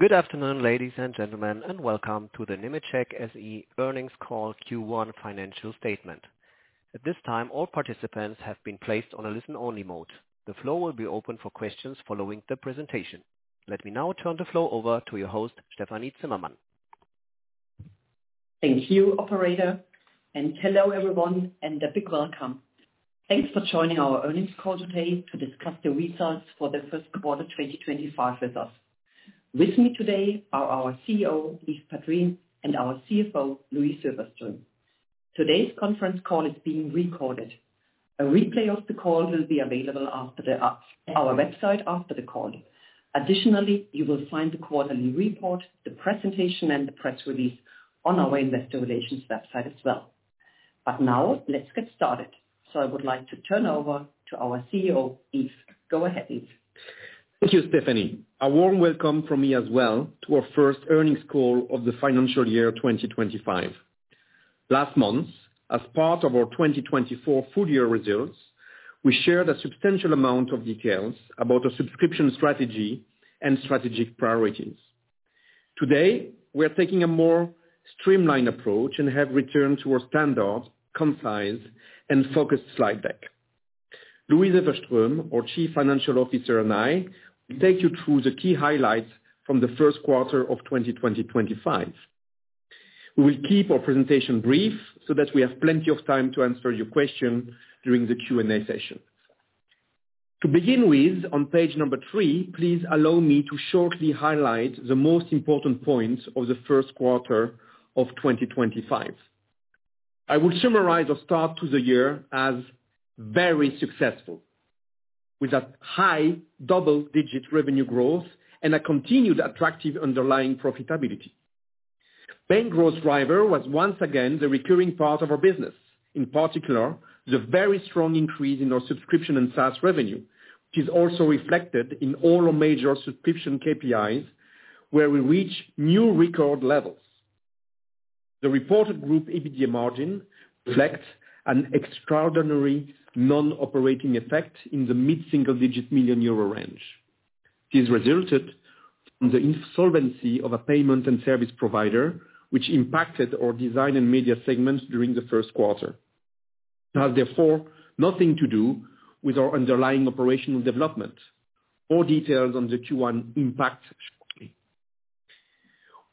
Good afternoon, ladies and gentlemen, and welcome to the Nemetschek SE earnings call Q1 financial statement. At this time, all participants have been placed on a listen-only mode. The floor will be open for questions following the presentation. Let me now turn the floor over to your host, Stefanie Zimmermann. Thank you, Operator, and hello, everyone, and a big welcome. Thanks for joining our earnings call today to discuss the results for the first quarter 2025 with us. With me today are our CEO, Yves Padrines, and our CFO, Louise Öfverström. Today's conference call is being recorded. A replay of the call will be available on our website after the call. Additionally, you will find the quarterly report, the presentation, and the press release on our investor relations website as well, but now, let's get started, so I would like to turn over to our CEO, Yves. Go ahead, Yves. Thank you, Stefanie. A warm welcome from me as well to our first earnings call of the financial year 2025. Last month, as part of our 2024 full-year results, we shared a substantial amount of details about our subscription strategy and strategic priorities. Today, we are taking a more streamlined approach and have returned to our standard, concise, and focused slide deck. Louise Öfverström, our Chief Financial Officer, and I will take you through the key highlights from the first quarter of 2025. We will keep our presentation brief so that we have plenty of time to answer your questions during the Q&A session. To begin with, on page number three, please allow me to shortly highlight the most important points of the first quarter of 2025. I will summarize our start to the year as very successful, with a high double-digit revenue growth and a continued attractive underlying profitability. Main growth driver was once again the recurring part of our business, in particular, the very strong increase in our subscription and SaaS revenue, which is also reflected in all our major subscription KPIs, where we reached new record levels. The reported group EBITDA margin reflects an extraordinary non-operating effect in the mid-single-digit million EUR range. This resulted from the insolvency of a payment and service provider, which impacted our design and media segments during the first quarter. It has, therefore, nothing to do with our underlying operational development. More details on the Q1 impact shortly.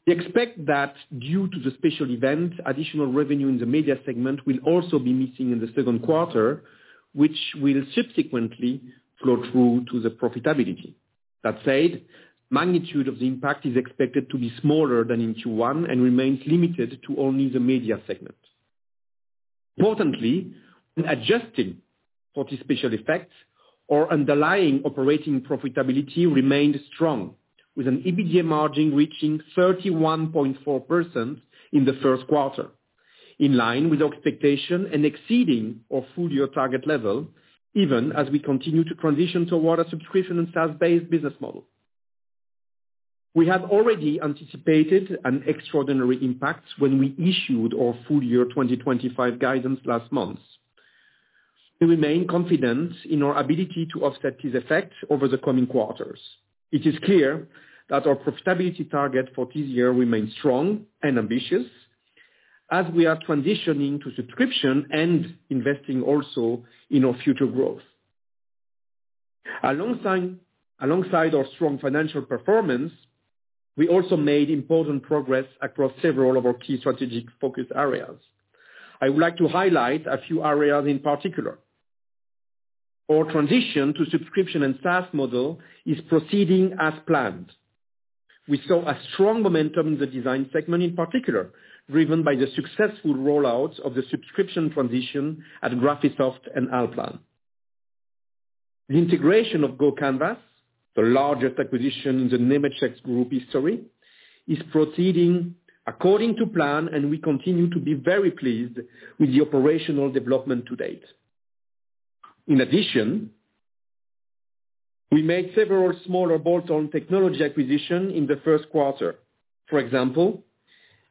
We expect that, due to the special event, additional revenue in the media segment will also be missing in the second quarter, which will subsequently flow through to the profitability. That said, the magnitude of the impact is expected to be smaller than in Q1 and remains limited to only the media segment. Importantly, when adjusting for the special effects, our underlying operating profitability remained strong, with an EBITDA margin reaching 31.4% in the first quarter, in line with our expectation and exceeding our full-year target level, even as we continue to transition toward a subscription and SaaS-based business model. We had already anticipated an extraordinary impact when we issued our full-year 2025 guidance last month. We remain confident in our ability to offset these effects over the coming quarters. It is clear that our profitability target for this year remains strong and ambitious, as we are transitioning to subscription and investing also in our future growth. Alongside our strong financial performance, we also made important progress across several of our key strategic focus areas. I would like to highlight a few areas in particular. Our transition to subscription and SaaS model is proceeding as planned. We saw a strong momentum in the design segment, in particular, driven by the successful rollout of the subscription transition at Graphisoft and Allplan. The integration of GoCanvas, the largest acquisition in the Nemetschek Group history, is proceeding according to plan, and we continue to be very pleased with the operational development to date. In addition, we made several smaller bolt-on technology acquisitions in the first quarter. For example,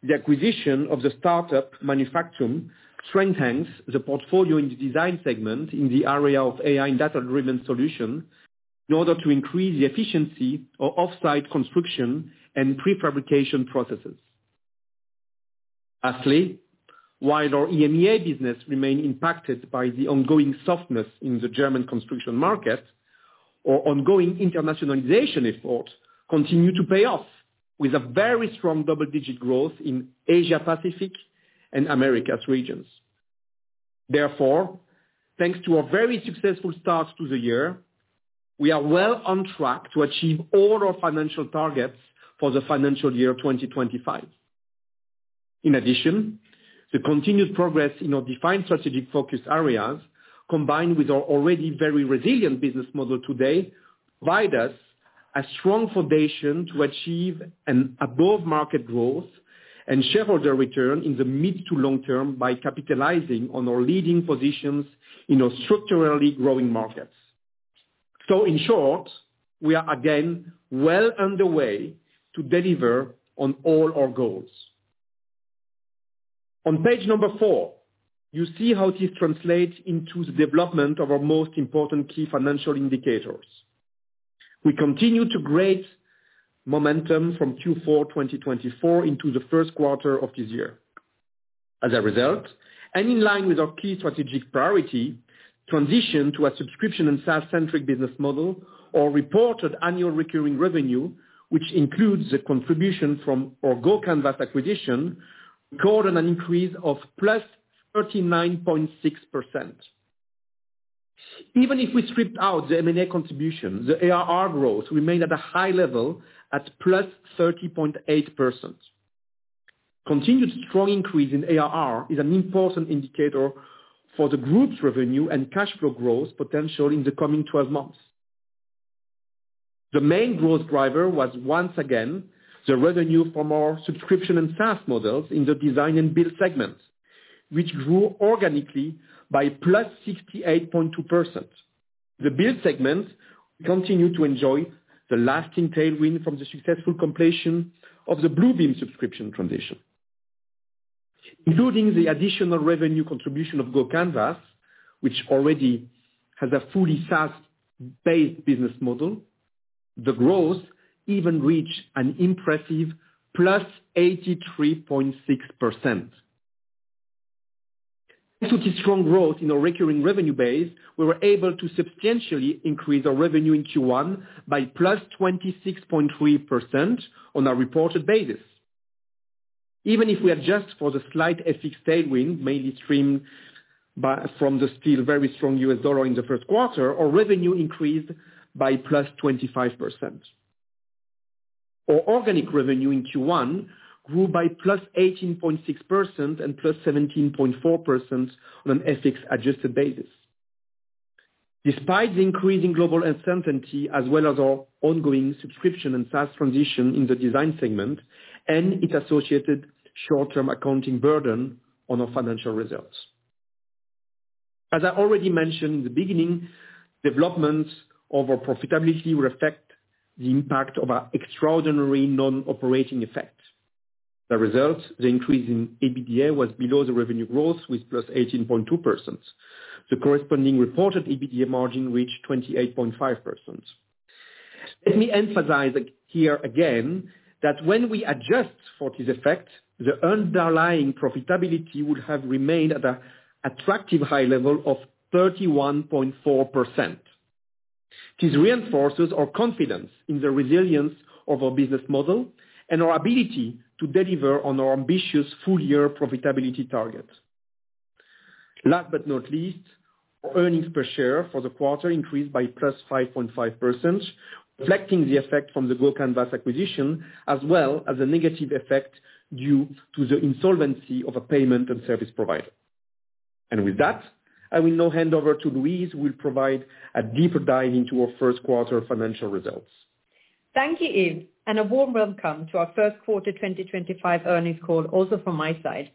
the acquisition of the startup Manufacton strengthens the portfolio in the design segment in the area of AI and data-driven solutions in order to increase the efficiency of offsite construction and prefabrication processes. Lastly, while our EMEA business remains impacted by the ongoing softness in the German construction market, our ongoing internationalization efforts continue to pay off, with a very strong double-digit growth in Asia-Pacific and the Americas regions. Therefore, thanks to our very successful start to the year, we are well on track to achieve all our financial targets for the financial year 2025. In addition, the continued progress in our defined strategic focus areas, combined with our already very resilient business model today, provide us a strong foundation to achieve an above-market growth and shareholder return in the mid to long term by capitalizing on our leading positions in our structurally growing markets. So, in short, we are again well underway to deliver on all our goals. On page number four, you see how this translates into the development of our most important key financial indicators. We continue to carry momentum from Q4 2024 into the first quarter of this year. As a result, and in line with our key strategic priority, transition to a subscription and SaaS-centric business model, our reported annual recurring revenue, which includes the contribution from our GoCanvas acquisition, recorded an increase of 39.6%+. Even if we stripped out the M&A contribution, the ARR growth remained at a high level at 30.8%+. Continued strong increase in ARR is an important indicator for the group's revenue and cash flow growth potential in the coming 12 months. The main growth driver was once again the revenue from our subscription and SaaS models in the design and build segment, which grew organically by 68.2%+. The build segment continued to enjoy the lasting tailwind from the successful completion of the Bluebeam subscription transition. Including the additional revenue contribution of GoCanvas, which already has a fully SaaS-based business model, the growth even reached an impressive 83.6%+. Thanks to the strong growth in our recurring revenue base, we were able to substantially increase our revenue in Q1 by 26.3%+ on a reported basis. Even if we adjust for the slight FX tailwind mainly stemming from the still very strong US dollar in the first quarter, our revenue increased by 25%+. Our organic revenue in Q1 grew by 18.6%+ and 17.4% +on an FX-adjusted basis. Despite the increase in global uncertainty, as well as our ongoing subscription and SaaS transition in the design segment and its associated short-term accounting burden on our financial results, the development of our profitability was affected by the impact of our extraordinary non-operating effect. As a result, the increase in EBITDA was below the revenue growth, with 18.2%+. The corresponding reported EBITDA margin reached 28.5%. Let me emphasize here again that when we adjust for this effect, the underlying profitability would have remained at an attractive high level of 31.4%. This reinforces our confidence in the resilience of our business model and our ability to deliver on our ambitious full-year profitability target. Last but not least, our earnings per share for the quarter increased by 5.5%+, reflecting the effect from the GoCanvas acquisition, as well as the negative effect due to the insolvency of a payment and service provider. And with that, I will now hand over to Louise, who will provide a deeper dive into our first quarter financial results. Thank you, Yves, and a warm welcome to our first quarter 2025 earnings call, also from my side.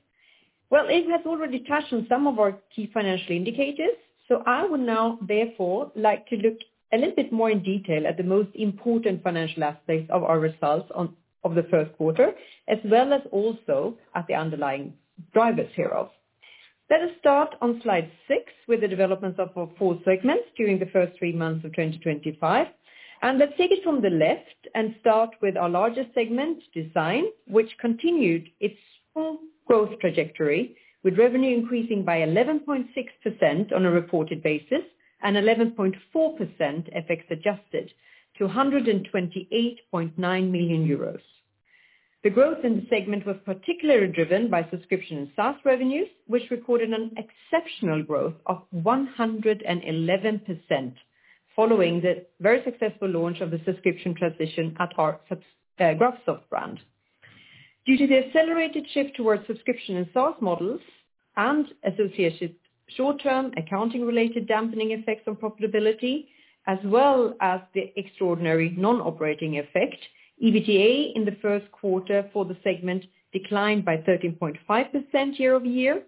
Yves has already touched on some of our key financial indicators, so I would now, therefore, like to look a little bit more in detail at the most important financial aspects of our results of the first quarter, as well as also at the underlying drivers hereof. Let us start on slide six with the developments of our four segments during the first three months of 2025. Let's take it from the left and start with our largest segment, design, which continued its full growth trajectory, with revenue increasing by 11.6% on a reported basis and 11.4% FX-adjusted to 128.9 million euros. The growth in the segment was particularly driven by subscription and SaaS revenues, which recorded an exceptional growth of 111% following the very successful launch of the subscription transition at our Graphisoft brand. Due to the accelerated shift towards subscription and SaaS models and associated short-term accounting-related dampening effects on profitability, as well as the extraordinary non-operating effect, EBITDA in the first quarter for the segment declined by 13.5% year-over-year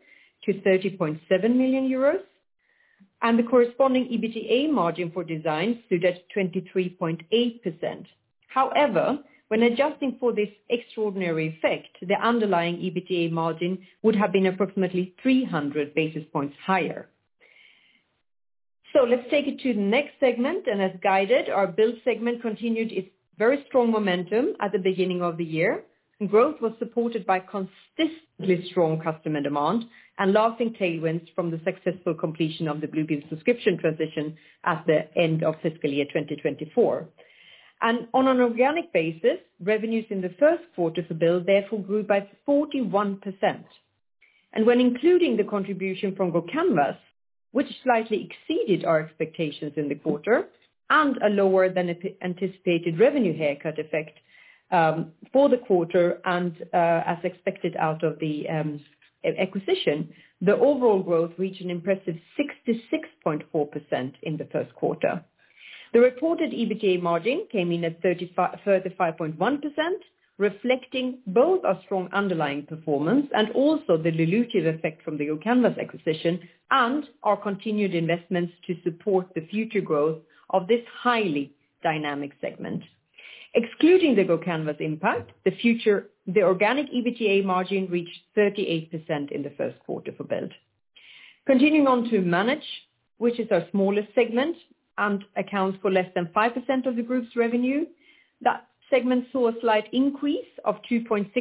to 30.7 million euros, and the corresponding EBITDA margin for design stood at 23.8%. However, when adjusting for this extraordinary effect, the underlying EBITDA margin would have been approximately 300 basis points higher. So let's take it to the next segment, and as guided, our build segment continued its very strong momentum at the beginning of the year. Growth was supported by consistently strong customer demand and lasting tailwinds from the successful completion of the Bluebeam subscription transition at the end of fiscal year 2024. And on an organic basis, revenues in the first quarter for build therefore grew by 41%. And when including the contribution from GoCanvas, which slightly exceeded our expectations in the quarter and a lower than anticipated revenue haircut effect for the quarter and as expected out of the acquisition, the overall growth reached an impressive 66.4% in the first quarter. The reported EBITDA margin came in at further 5.1%, reflecting both our strong underlying performance and also the dilutive effect from the GoCanvas acquisition and our continued investments to support the future growth of this highly dynamic segment. Excluding the GoCanvas impact, the organic EBITDA margin reached 38% in the first quarter for build. Continuing on to Manage, which is our smallest segment and accounts for less than 5% of the group's revenue, that segment saw a slight increase of 2.6%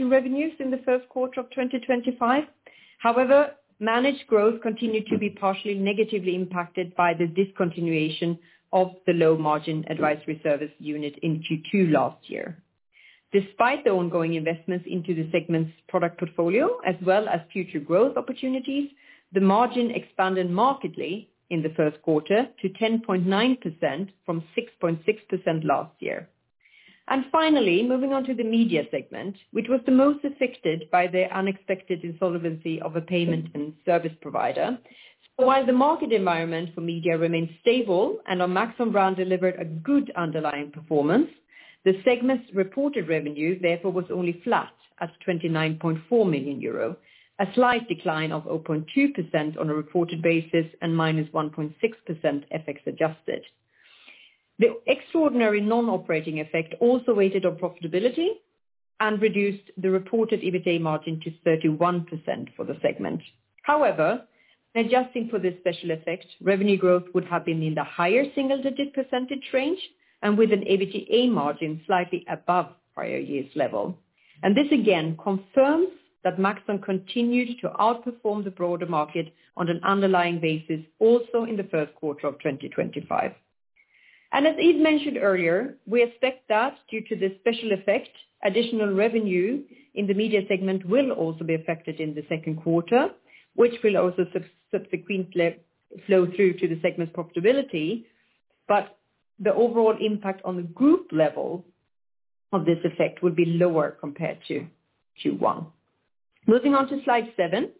in revenues in the first quarter of 2025. However, Manage growth continued to be partially negatively impacted by the discontinuation of the low-margin advisory service unit in Q2 last year. Despite the ongoing investments into the segment's product portfolio, as well as future growth opportunities, the margin expanded markedly in the first quarter to 10.9% from 6.6% last year. And finally, moving on to the Media segment, which was the most affected by the unexpected insolvency of a payment and service provider. While the market environment for media remained stable and our Maxon brand delivered a good underlying performance, the segment's reported revenue, therefore, was only flat at 29.4 million euro, a slight decline of 0.2% on a reported basis and -1.6% FX-adjusted. The extraordinary non-operating effect also weighed on profitability and reduced the reported EBITDA margin to 31% for the segment. However, adjusting for this special effect, revenue growth would have been in the higher single-digit percentage range and with an EBITDA margin slightly above prior year's level. This again confirms that Maxon continued to outperform the broader market on an underlying basis also in the first quarter of 2025. As Yves mentioned earlier, we expect that due to the special effect, additional revenue in the media segment will also be affected in the second quarter, which will also subsequently flow through to the segment's profitability, but the overall impact on the group level of this effect would be lower compared to Q1. Moving on to slide seven,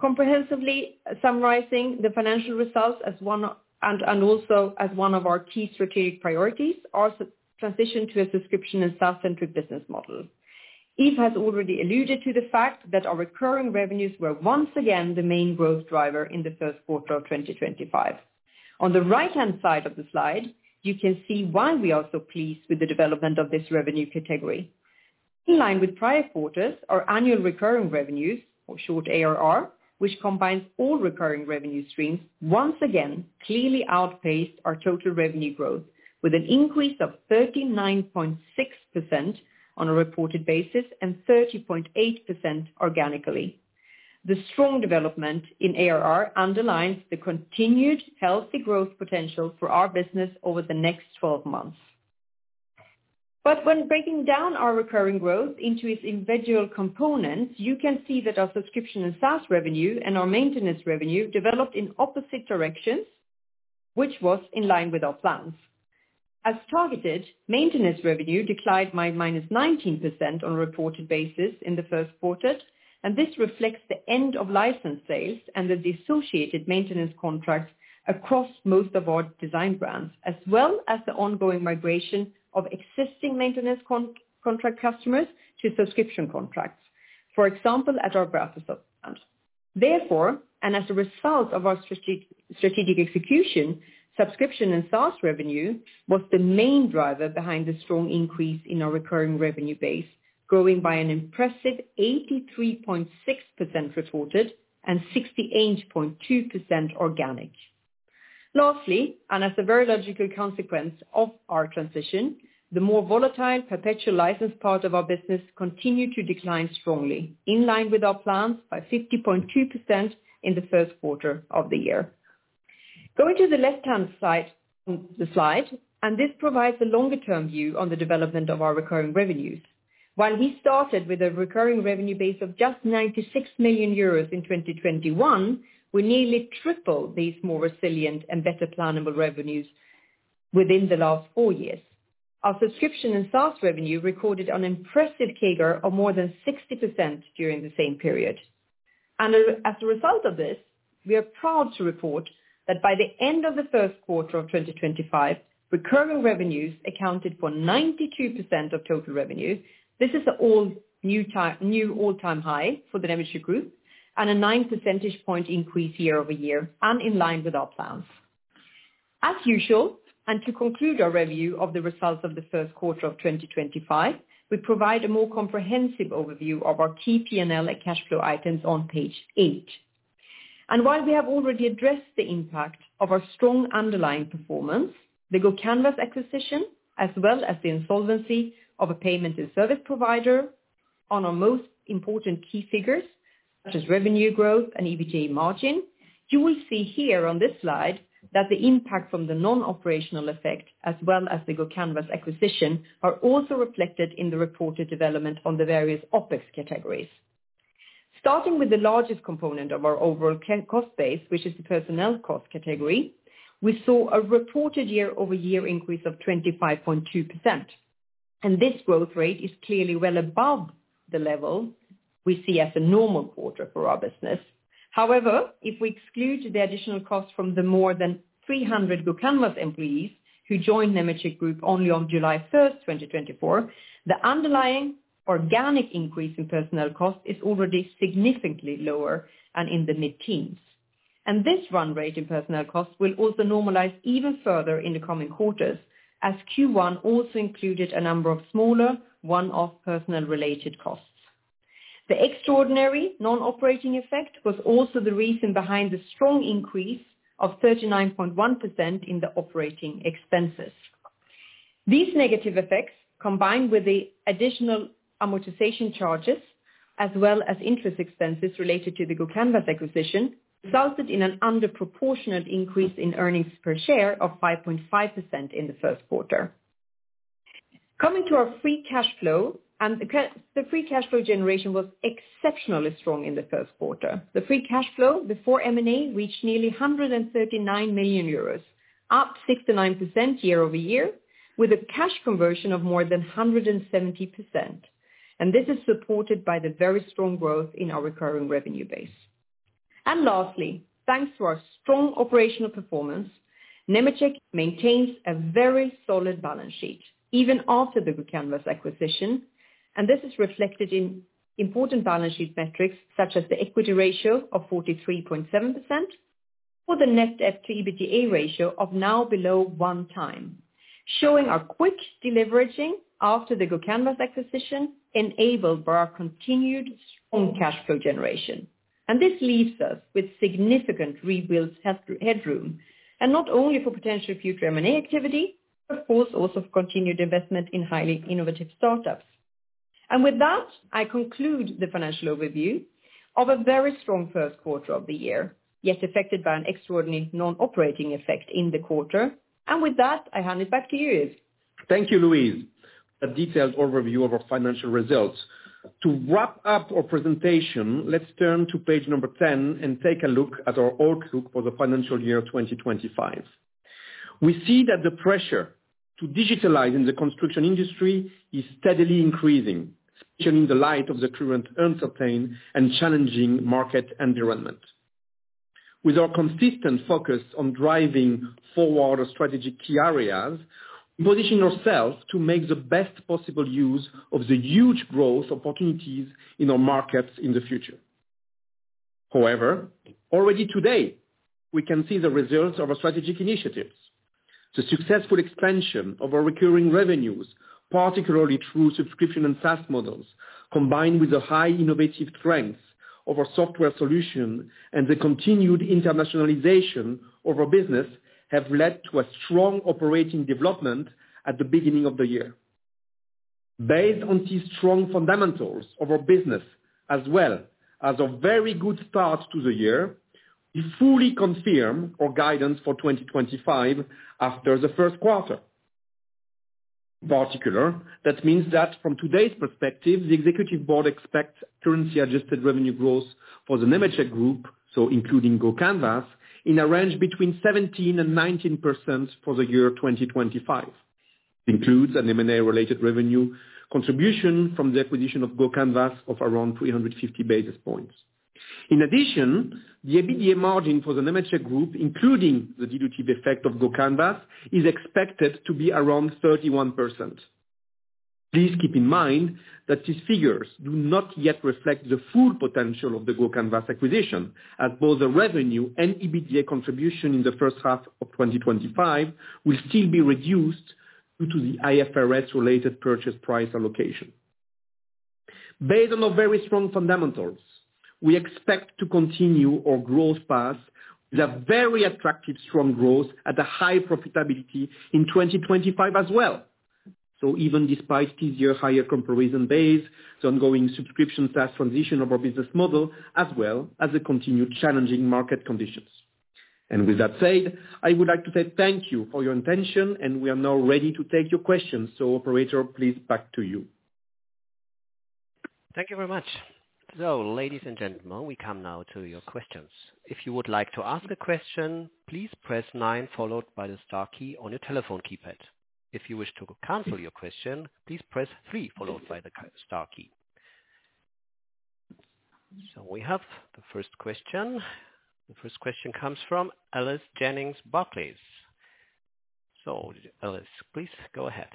comprehensively summarizing the financial results as one and also as one of our key strategic priorities, our transition to a subscription and SaaS-centric business model. Yves has already alluded to the fact that our recurring revenues were once again the main growth driver in the first quarter of 2025. On the right-hand side of the slide, you can see why we are so pleased with the development of this revenue category. In line with prior quarters, our annual recurring revenues, or short ARR, which combines all recurring revenue streams, once again clearly outpaced our total revenue growth with an increase of 39.6% on a reported basis and 30.8% organically. The strong development in ARR underlines the continued healthy growth potential for our business over the next 12 months. But when breaking down our recurring growth into its individual components, you can see that our subscription and SaaS revenue and our maintenance revenue developed in opposite directions, which was in line with our plans. As targeted, maintenance revenue declined by -19% on a reported basis in the first quarter, and this reflects the end of license sales and the dissociated maintenance contracts across most of our design brands, as well as the ongoing migration of existing maintenance contract customers to subscription contracts, for example, at our Graphisoft brand. Therefore, and as a result of our strategic execution, subscription and SaaS revenue was the main driver behind the strong increase in our recurring revenue base, growing by an impressive 83.6% reported and 68.2% organic. Lastly, and as a very logical consequence of our transition, the more volatile perpetual license part of our business continued to decline strongly, in line with our plans by 50.2% in the first quarter of the year. Going to the left-hand side of the slide, and this provides a longer-term view on the development of our recurring revenues. While we started with a recurring revenue base of just 96 million euros in 2021, we nearly tripled these more resilient and better plannable revenues within the last four years. Our subscription and SaaS revenue recorded an impressive CAGR of more than 60% during the same period. As a result of this, we are proud to report that by the end of the first quarter of 2025, recurring revenues accounted for 92% of total revenue. This is an all-new all-time high for the Nemetschek Group and a 9 percentage point increase year-over-year, and in line with our plans. As usual, and to conclude our review of the results of the first quarter of 2025, we provide a more comprehensive overview of our key P&L and cash flow items on page eight. And while we have already addressed the impact of our strong underlying performance, the GoCanvas acquisition, as well as the insolvency of a payment and service provider on our most important key figures, such as revenue growth and EBITDA margin, you will see here on this slide that the impact from the non-operating effect, as well as the GoCanvas acquisition, are also reflected in the reported development on the various OPEX categories. Starting with the largest component of our overall cost base, which is the personnel cost category, we saw a reported year-over-year increase of 25.2%. And this growth rate is clearly well above the level we see as a normal quarter for our business. However, if we exclude the additional cost from the more than 300 GoCanvas employees who joined Nemetschek Group only on July 1st, 2024, the underlying organic increase in personnel cost is already significantly lower and in the mid-teens, and this run rate in personnel cost will also normalize even further in the coming quarters, as Q1 also included a number of smaller one-off personnel-related costs. The extraordinary non-operating effect was also the reason behind the strong increase of 39.1% in the operating expenses. These negative effects, combined with the additional amortization charges, as well as interest expenses related to the GoCanvas acquisition, resulted in an underproportionate increase in earnings per share of 5.5% in the first quarter. Coming to our free cash flow and the free cash flow generation was exceptionally strong in the first quarter. The free cash flow before M&A reached nearly 139 million euros, up 69% year-over-year, with a cash conversion of more than 170%, and this is supported by the very strong growth in our recurring revenue base. And lastly, thanks to our strong operational performance, Nemetschek maintains a very solid balance sheet even after the GoCanvas acquisition, and this is reflected in important balance sheet metrics such as the equity ratio of 43.7% or the net debt to EBITDA ratio of now below one time, showing our quick deleveraging after the GoCanvas acquisition enabled by our continued strong cash flow generation, and this leaves us with significant rebuild headroom, and not only for potential future M&A activity, but of course also for continued investment in highly innovative startups. With that, I conclude the financial overview of a very strong first quarter of the year, yet affected by an extraordinary non-operating effect in the quarter. With that, I hand it back to you, Yves. Thank you, Louise. A detailed overview of our financial results. To wrap up our presentation, let's turn to page number 10 and take a look at our outlook for the financial year 2025. We see that the pressure to digitalize in the construction industry is steadily increasing, especially in the light of the current uncertain and challenging market environment. With our consistent focus on driving forward our strategic key areas, we position ourselves to make the best possible use of the huge growth opportunities in our markets in the future. However, already today, we can see the results of our strategic initiatives. The successful expansion of our recurring revenues, particularly through subscription and SaaS models, combined with the high innovative strengths of our software solution and the continued internationalization of our business, have led to a strong operating development at the beginning of the year. Based on these strong fundamentals of our business, as well as a very good start to the year, we fully confirm our guidance for 2025 after the first quarter. In particular, that means that from today's perspective, the executive board expects currency-adjusted revenue growth for the Nemetschek Group, so including GoCanvas, in a range between 17%-19% for the year 2025. It includes an M&A-related revenue contribution from the acquisition of GoCanvas of around 350 basis points. In addition, the EBITDA margin for the Nemetschek Group, including the dilutive effect of GoCanvas, is expected to be around 31%. Please keep in mind that these figures do not yet reflect the full potential of the GoCanvas acquisition, as both the revenue and EBITDA contribution in the first half of 2025 will still be reduced due to the IFRS-related purchase price allocation. Based on our very strong fundamentals, we expect to continue our growth path with a very attractive, strong growth at a high profitability in 2025 as well, so even despite this year's higher comparison base, the ongoing subscription SaaS transition of our business model, as well as the continued challenging market conditions and with that said, I would like to say thank you for your attention, and we are now ready to take your questions. So operator, please back to you. Thank you very much. So ladies and gentlemen, we come now to your questions. If you would like to ask a question, please press nine followed by the star key on your telephone keypad. If you wish to cancel your question, please press three followed by the star key. So we have the first question. The first question comes from Alice Jennings, Barclays. So Alice, please go ahead.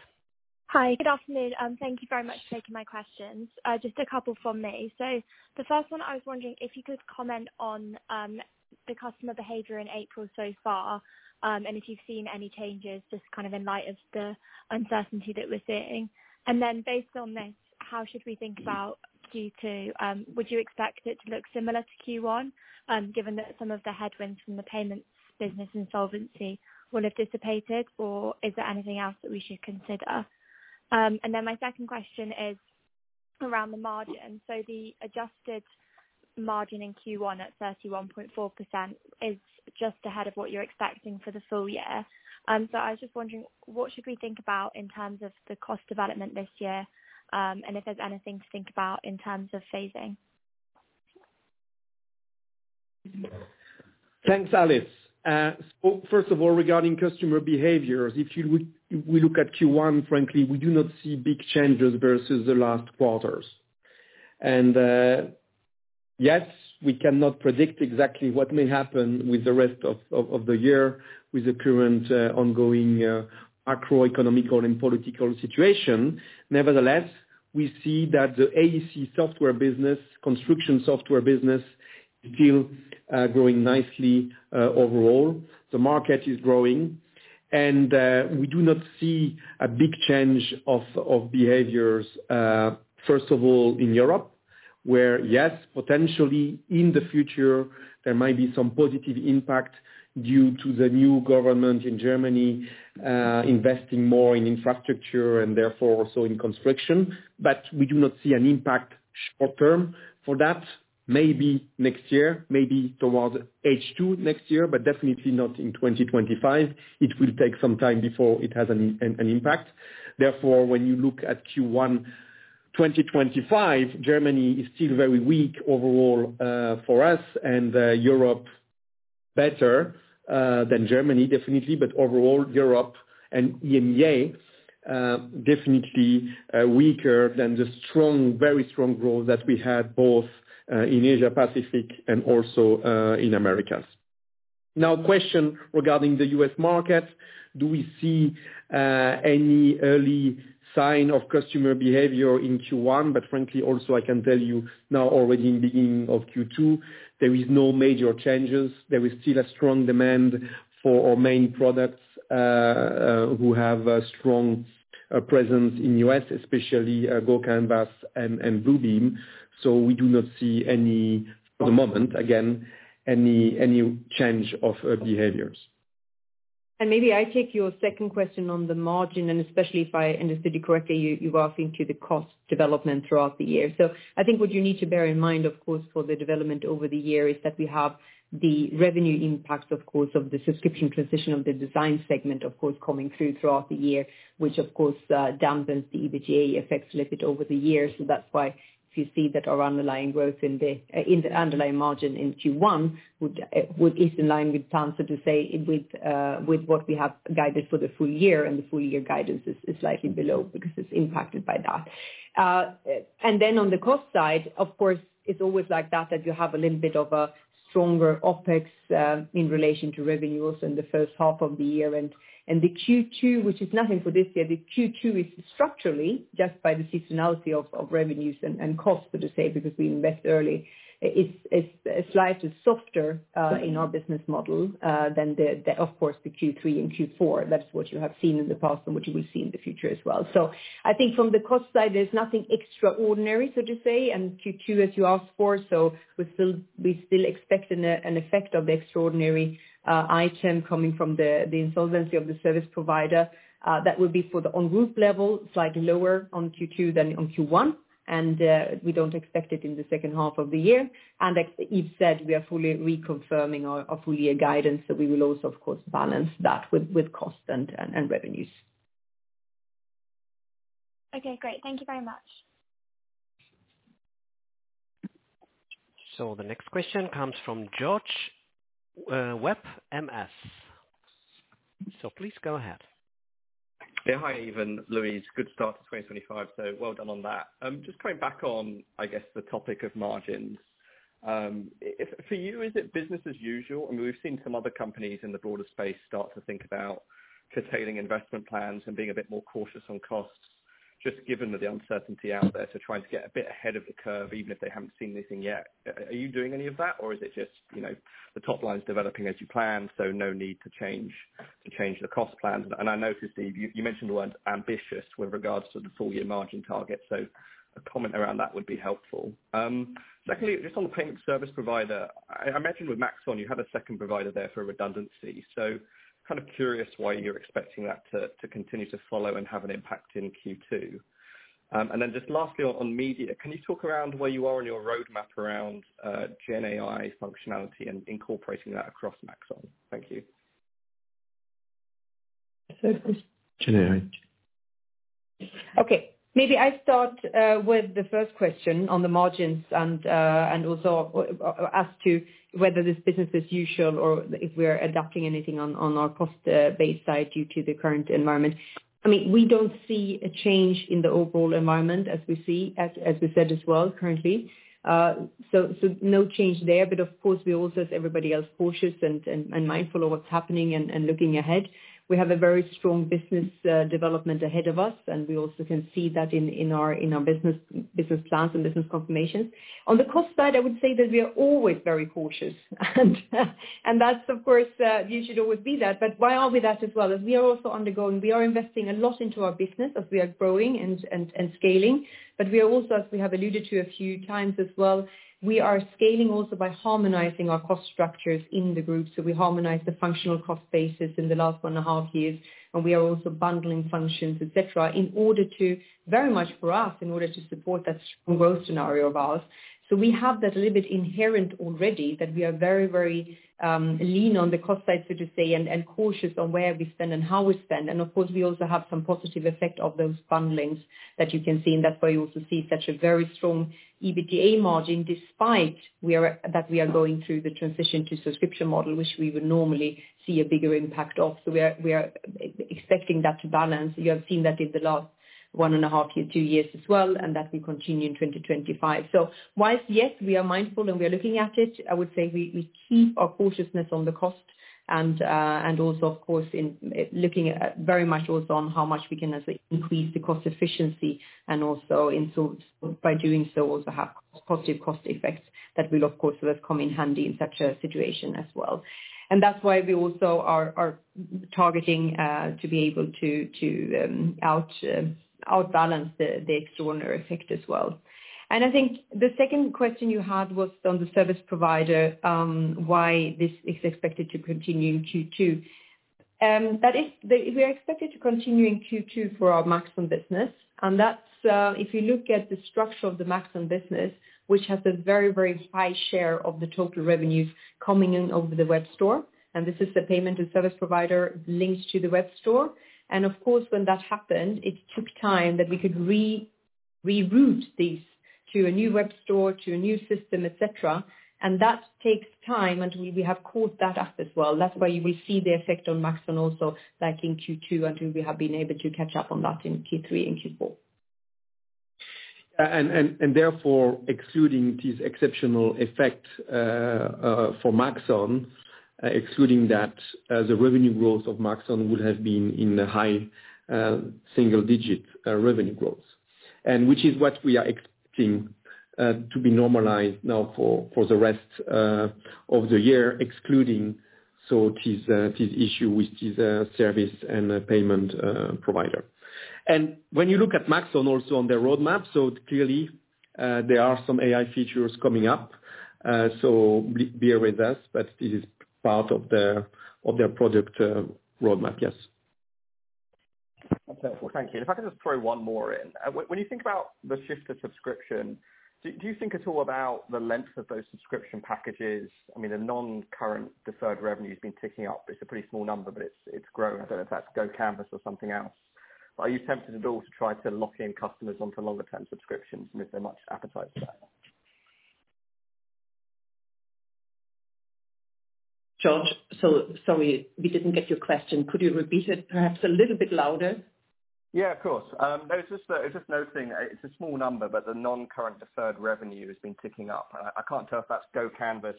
Hi. Good afternoon. Thank you very much for taking my questions. Just a couple from me. So the first one, I was wondering if you could comment on the customer behavior in April so far, and if you've seen any changes just kind of in light of the uncertainty that we're seeing. And then based on this, how should we think about Q2? Would you expect it to look similar to Q1, given that some of the headwinds from the payments business insolvency will have dissipated, or is there anything else that we should consider? And then my second question is around the margin. So the adjusted margin in Q1 at 31.4% is just ahead of what you're expecting for the full year. And so I was just wondering, what should we think about in terms of the cost development this year, and if there's anything to think about in terms of phasing? Thanks, Alice. So first of all, regarding customer behaviors, if we look at Q1, frankly, we do not see big changes versus the last quarters. And yes, we cannot predict exactly what may happen with the rest of the year with the current ongoing macroeconomic and political situation. Nevertheless, we see that the AEC software business, construction software business, is still growing nicely overall. The market is growing, and we do not see a big change of behaviors, first of all, in Europe, where, yes, potentially in the future, there might be some positive impact due to the new government in Germany investing more in infrastructure and therefore also in construction. But we do not see an impact short-term for that. Maybe next year, maybe towards H2 next year, but definitely not in 2025. It will take some time before it has an impact. Therefore, when you look at Q1 2025, Germany is still very weak overall for us, and Europe better than Germany, definitely. But overall, Europe and EMEA definitely weaker than the strong, very strong growth that we had both in Asia-Pacific and also in Americas. Now, question regarding the U.S. market. Do we see any early sign of customer behavior in Q1? But frankly, also I can tell you now already in the beginning of Q2, there are no major changes. There is still a strong demand for our main products who have a strong presence in the U.S., especially GoCanvas and Bluebeam. So we do not see any, for the moment, again, any change of behaviors. And maybe I take your second question on the margin, and especially if I understood you correctly, you're asking to the cost development throughout the year. So I think what you need to bear in mind, of course, for the development over the year is that we have the revenue impacts, of course, of the subscription transition of the design segment, of course, coming through throughout the year, which, of course, dampens the EBITDA effects a little bit over the year. So that's why if you see that our underlying growth in the underlying margin in Q1 is in line with, to say, with what we have guided for the full year, and the full year guidance is slightly below because it's impacted by that. And then on the cost side, of course, it's always like that, that you have a little bit of a stronger OPEX in relation to revenues in the first half of the year. And the Q2, which is nothing for this year, the Q2 is structurally, just by the seasonality of revenues and costs, so to say, because we invest early, it's slightly softer in our business model than, of course, the Q3 and Q4. That's what you have seen in the past and what you will see in the future as well. So I think from the cost side, there's nothing extraordinary, so to say, and Q2, as you asked for. So we still expect an effect of the extraordinary item coming from the insolvency of the service provider. That will be for the Group level, slightly lower on Q2 than on Q1, and we don't expect it in the second half of the year. And as Yves said, we are fully reconfirming our full-year guidance, so we will also, of course, balance that with cost and revenues. Okay, great. Thank you very much. So the next question comes from George Webb, Morgan Stanley. So please go ahead. Yeah, hi, Yves. Louise, good start to 2025. So well done on that. Just coming back on, I guess, the topic of margins. For you, is it business as usual? I mean, we've seen some other companies in the broader space start to think about curtailing investment plans and being a bit more cautious on costs, just given the uncertainty out there, so trying to get a bit ahead of the curve, even if they haven't seen anything yet. Are you doing any of that, or is it just the top line's developing as you plan, so no need to change the cost plans? And I noticed you mentioned the word ambitious with regards to the full-year margin target. So a comment around that would be helpful. Secondly, just on the payment service provider, I imagine with Maxon, you have a second provider there for redundancy. So kind of curious why you're expecting that to continue to falter and have an impact in Q2. And then just lastly, on media, can you talk around where you are on your roadmap around GenAI functionality and incorporating that across Maxon? Thank you. Okay. Maybe I start with the first question on the margins and also ask you whether this business as usual or if we are adapting anything on our cost base side due to the current environment. I mean, we don't see a change in the overall environment, as we said as well currently. So no change there. But of course, we also, as everybody else, cautious and mindful of what's happening and looking ahead. We have a very strong business development ahead of us, and we also can see that in our business plans and business confirmations. On the cost side, I would say that we are always very cautious. And that's, of course, you should always be that. But why are we that as well? As we are also undergoing, we are investing a lot into our business as we are growing and scaling. But we are also, as we have alluded to a few times as well, we are scaling also by harmonizing our cost structures in the group. So we harmonize the functional cost basis in the last one and a half years, and we are also bundling functions, etc., in order to, very much for us, in order to support that strong growth scenario of ours. So we have that a little bit inherent already that we are very, very lean on the cost side, so to say, and cautious on where we spend and how we spend. And of course, we also have some positive effect of those bundlings that you can see. And that's why you also see such a very strong EBITDA margin despite that we are going through the transition to subscription model, which we would normally see a bigger impact of. So we are expecting that to balance. You have seen that in the last one and a half years, two years as well, and that will continue in 2025. So while yes, we are mindful and we are looking at it, I would say we keep our cautiousness on the cost and also, of course, looking very much also on how much we can increase the cost efficiency and also in by doing so also have positive cost effects that will, of course, come in handy in such a situation as well. And that's why we also are targeting to be able to outbalance the extraordinary effect as well. And I think the second question you had was on the service provider, why this is expected to continue in Q2. That is, we are expected to continue in Q2 for our Maxon business. And that's if you look at the structure of the Maxon business, which has a very, very high share of the total revenues coming in over the web store. And this is the payment and service provider linked to the web store. And of course, when that happened, it took time that we could reroute this to a new web store, to a new system, etc. And that takes time until we have caught that up as well. That's why you will see the effect on Maxon also back in Q2 until we have been able to catch up on that in Q3 and Q4. And therefore, excluding these exceptional effects for Maxon, excluding that, the revenue growth of Maxon would have been in the high single-digit revenue growth, which is what we are expecting to be normalized now for the rest of the year, excluding so this issue with this service and payment provider. And when you look at Maxon also on their roadmap, so clearly there are some AI features coming up. So bear with us, but this is part of their product roadmap, yes. Okay. Well, thank you. And if I can just throw one more in. When you think about the shift to subscription, do you think at all about the length of those subscription packages? I mean, the non-current deferred revenue has been ticking up. It's a pretty small number, but it's growing. I don't know if that's GoCanvas or something else. Are you tempted at all to try to lock in customers onto longer-term subscriptions and if there's much appetite for that? George, sorry, we didn't get your question. Could you repeat it perhaps a little bit louder? Yeah, of course. I'm just noticing it's a small number, but the non-current deferred revenue has been ticking up. I can't tell if that's GoCanvas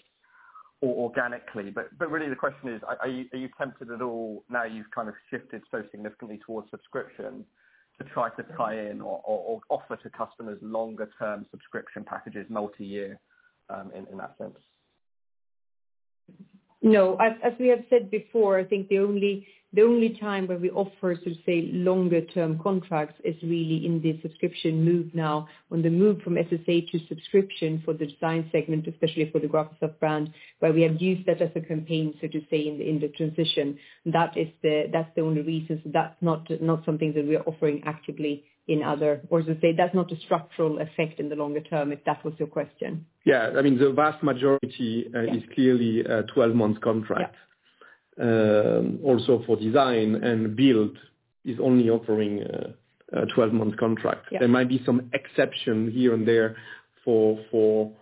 or organically. But really, the question is, are you tempted at all now you've kind of shifted so significantly towards subscription to try to tie in or offer to customers longer-term subscription packages, multi-year in that sense? No. As we have said before, I think the only time where we offer, so to say, longer-term contracts is really in the subscription move now, on the move from SSA to subscription for the design segment, especially for the Graphisoft brand, where we have used that as a campaign, so to say, in the transition. That's the only reason. So that's not something that we are offering actively in other, or as I say, that's not a structural effect in the longer term, if that was your question. Yeah. I mean, the vast majority is clearly 12-month contract. Also for design and build, is only offering a 12-month contract. There might be some exception here and there for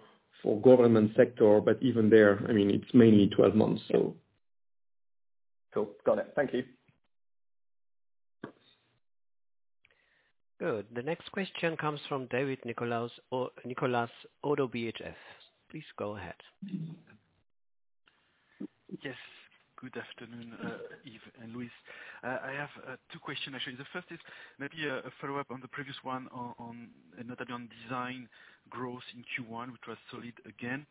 government sector, but even there, I mean, it's mainly 12 months, so. Cool. Got it. Thank you. Good. The next question comes from Nicolas David of ODDO BHF. Please go ahead. Yes. Good afternoon, Yves and Louise. I have two questions, actually. The first is maybe a follow-up on the previous one on design growth in Q1, which was solid again.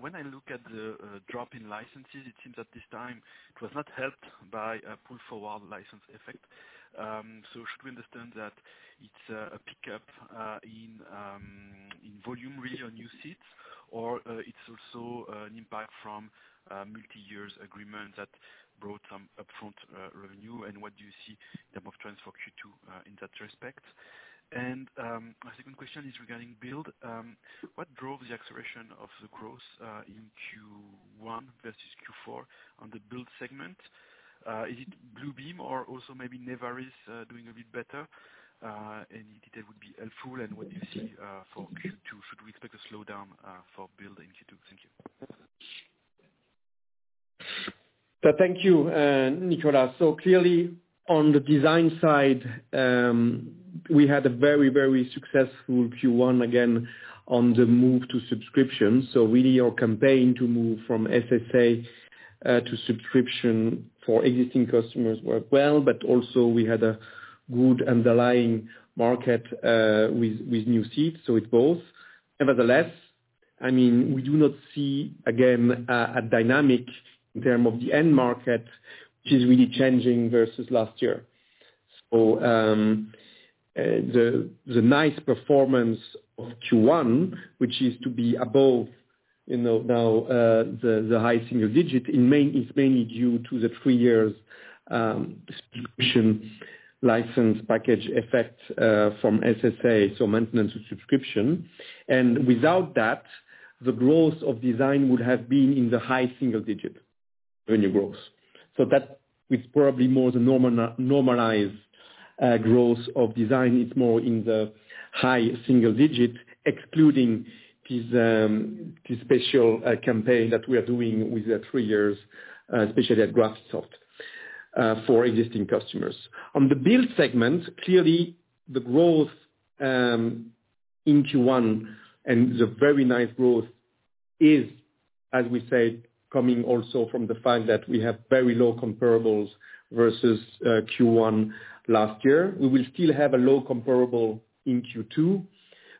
When I look at the drop in licenses, it seems that this time it was not helped by a pull-forward license effect. So should we understand that it's a pickup in volume really on new seats, or it's also an impact from multi-years agreement that brought some upfront revenue? And what do you see in terms of trends for Q2 in that respect? And my second question is regarding build. What drove the acceleration of the growth in Q1 versus Q4 on the build segment? Is it Bluebeam or also maybe Nevaris doing a bit better? Any detail would be helpful. And what do you see for Q2? Should we expect a slowdown for build in Q2? Thank you. Thank you, Nicolas. So clearly, on the design side, we had a very, very successful Q1 again on the move to subscription. So really, our campaign to move from SSA to subscription for existing customers worked well, but also we had a good underlying market with new seats. So it's both. Nevertheless, I mean, we do not see, again, a dynamic in terms of the end market, which is really changing versus last year. So the nice performance of Q1, which is to be above now the high single digit, is mainly due to the three-years subscription license package effect from SSA, so maintenance of subscription. And without that, the growth of design would have been in the high single digit revenue growth. So that is probably more the normalized growth of design. It's more in the high single digit, excluding this special campaign that we are doing with the three years, especially at Graphisoft for existing customers. On the build segment, clearly, the growth in Q1 and the very nice growth is, as we said, coming also from the fact that we have very low comparables versus Q1 last year. We will still have a low comparable in Q2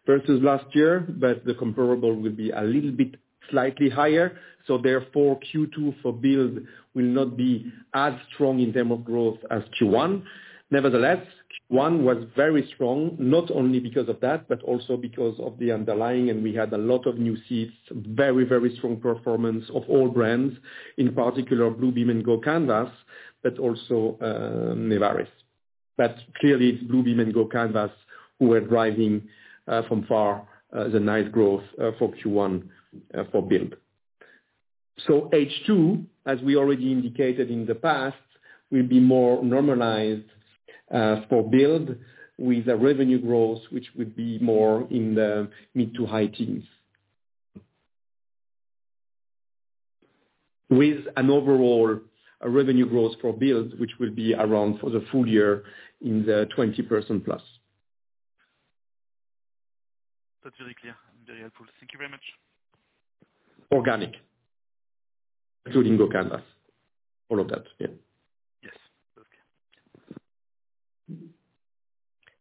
versus last year, but the comparable will be a little bit slightly higher. So therefore, Q2 for build will not be as strong in terms of growth as Q1. Nevertheless, Q1 was very strong, not only because of that, but also because of the underlying, and we had a lot of new seats, very, very strong performance of all brands, in particular Bluebeam and GoCanvas, but also Nevaris. But clearly, it's Bluebeam and GoCanvas who are driving by far the nice growth for Q1 for build. So H2, as we already indicated in the past, will be more normalized for build with a revenue growth, which would be more in the mid- to high-teens, with an overall revenue growth for build, which will be around for the full year in the 20% plus. That's very clear and very helpful. Thank you very much. Organic, including GoCanvas. All of that, yeah. Yes. Okay.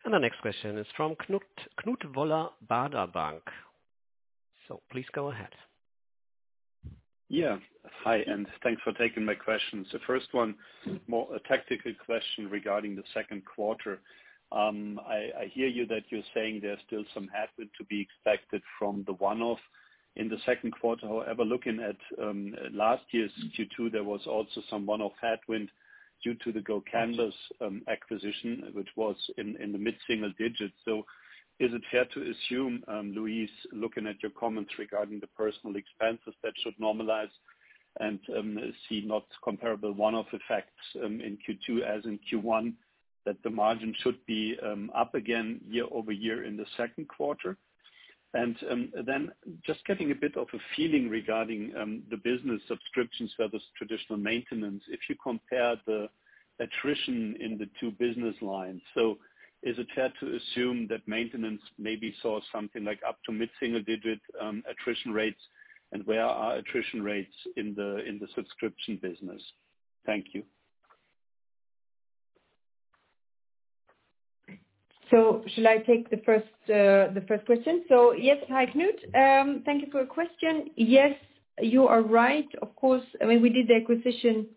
And the next question is from Knut Woller, Baader Bank. So please go ahead. Yeah. Hi, and thanks for taking my question. So first one, more a tactical question regarding the second quarter. I hear you that you're saying there's still some headwind to be expected from the one-off in the second quarter. However, looking at last year's Q2, there was also some one-off headwind due to the GoCanvas acquisition, which was in the mid-single digit. So is it fair to assume, Louise, looking at your comments regarding the operating expenses, that should normalize and see not comparable one-off effects in Q2 as in Q1, that the margin should be up again year-over-year in the second quarter? And then just getting a bit of a feeling regarding the subscription business versus traditional maintenance, if you compare the attrition in the two business lines, so is it fair to assume that maintenance maybe saw something like up to mid-single digit attrition rates? And where are attrition rates in the subscription business? Thank you. So shall I take the first question? So yes, hi, Knut. Thank you for your question. Yes, you are right. Of course, I mean, we did the acquisition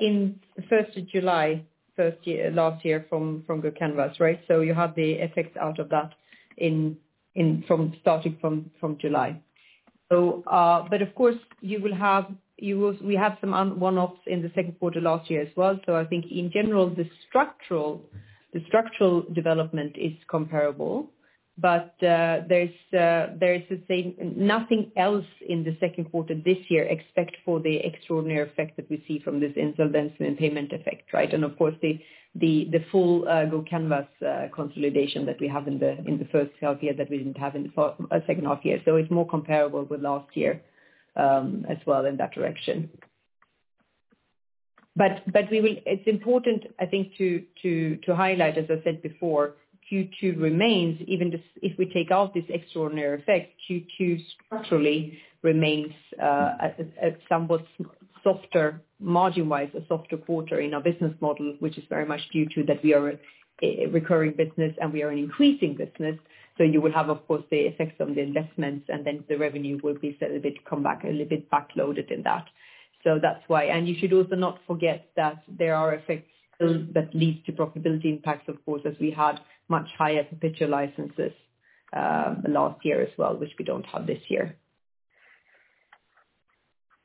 in first of July, last year from GoCanvas, right? So you have the effects out of that from starting from July. But of course, we had some one-offs in the second quarter last year as well. So I think in general, the structural development is comparable, but there is nothing else in the second quarter this year except for the extraordinary effect that we see from this insolvency and payment effect, right? And of course, the full GoCanvas consolidation that we have in the first half year that we didn't have in the second half year. So it's more comparable with last year as well in that direction. But it's important, I think, to highlight, as I said before, Q2 remains, even if we take out this extraordinary effect, Q2 structurally remains a somewhat softer margin-wise, a softer quarter in our business model, which is very much due to that we are a recurring business and we are an increasing business. So you will have, of course, the effects on the investments, and then the revenue will be a little bit come back, a little bit backloaded in that. So that's why. And you should also not forget that there are effects that lead to profitability impacts, of course, as we had much higher perpetual licenses last year as well, which we don't have this year.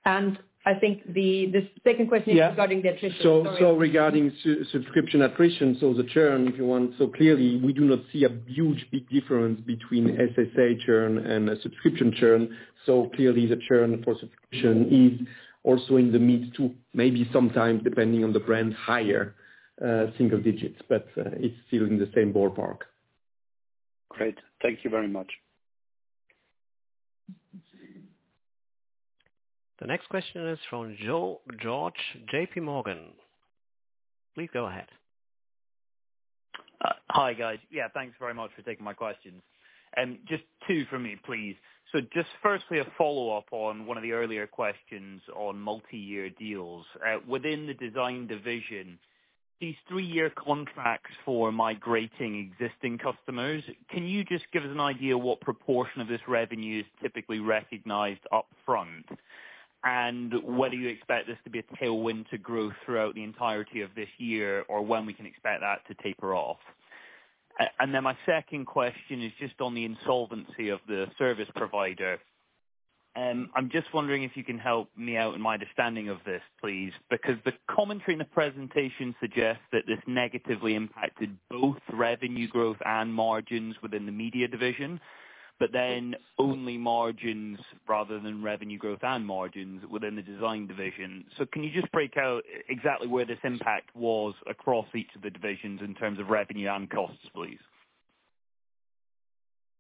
And I think the second question is regarding the attrition. So regarding subscription attrition, so the churn, if you want. So clearly, we do not see a huge big difference between SSA churn and a subscription churn. So clearly, the churn for subscription is also in the mid to maybe sometimes, depending on the brand, higher single digits, but it's still in the same ballpark. Great. Thank you very much. The next question is from Joe George J.P. Morgan. Please go ahead. Hi, guys. Yeah, thanks very much for taking my questions. And just two from me, please. So just firstly, a follow-up on one of the earlier questions on multi-year deals. Within the design division, these three-year contracts for migrating existing customers, can you just give us an idea of what proportion of this revenue is typically recognized upfront? And whether you expect this to be a tailwind to growth throughout the entirety of this year or when we can expect that to taper off? And then my second question is just on the insolvency of the service provider. I'm just wondering if you can help me out in my understanding of this, please, because the commentary in the presentation suggests that this negatively impacted both revenue growth and margins within the media division, but then only margins rather than revenue growth and margins within the design division. So can you just break out exactly where this impact was across each of the divisions in terms of revenue and costs, please?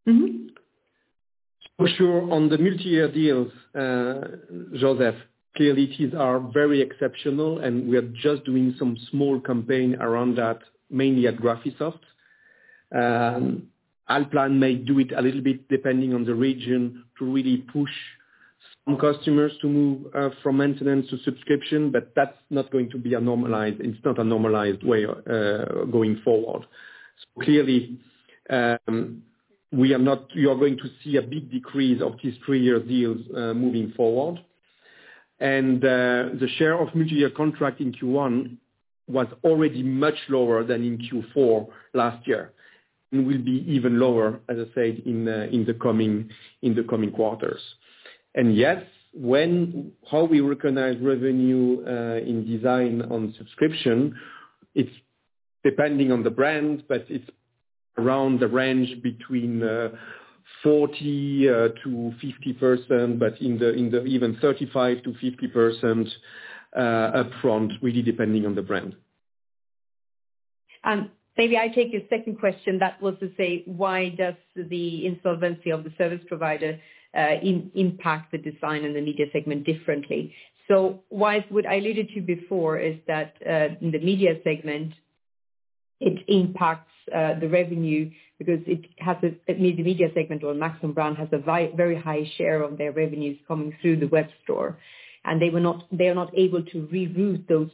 For sure, on the multi-year deals, Joseph, clearly, these are very exceptional, and we are just doing some small campaign around that, mainly at Graphisoft. Allplan may do it a little bit depending on the region to really push some customers to move from maintenance to subscription, but that's not going to be a normalized, it's not a normalized way going forward. So clearly, you are going to see a big decrease of these three-year deals moving forward. And the share of multi-year contract in Q1 was already much lower than in Q4 last year and will be even lower, as I said, in the coming quarters. And yet, how we recognize revenue in design on subscription, it's depending on the brand, but it's around the range between 40%-50%, but even 35%-50% upfront, really depending on the brand. And maybe I take your second question. That was to say, why does the insolvency of the service provider impact the design and the media segment differently? So why I alluded to before is that in the media segment, it impacts the revenue because it has a—I mean, the media segment or the Maxon brand has a very high share of their revenues coming through the web store. They are not able to reroute those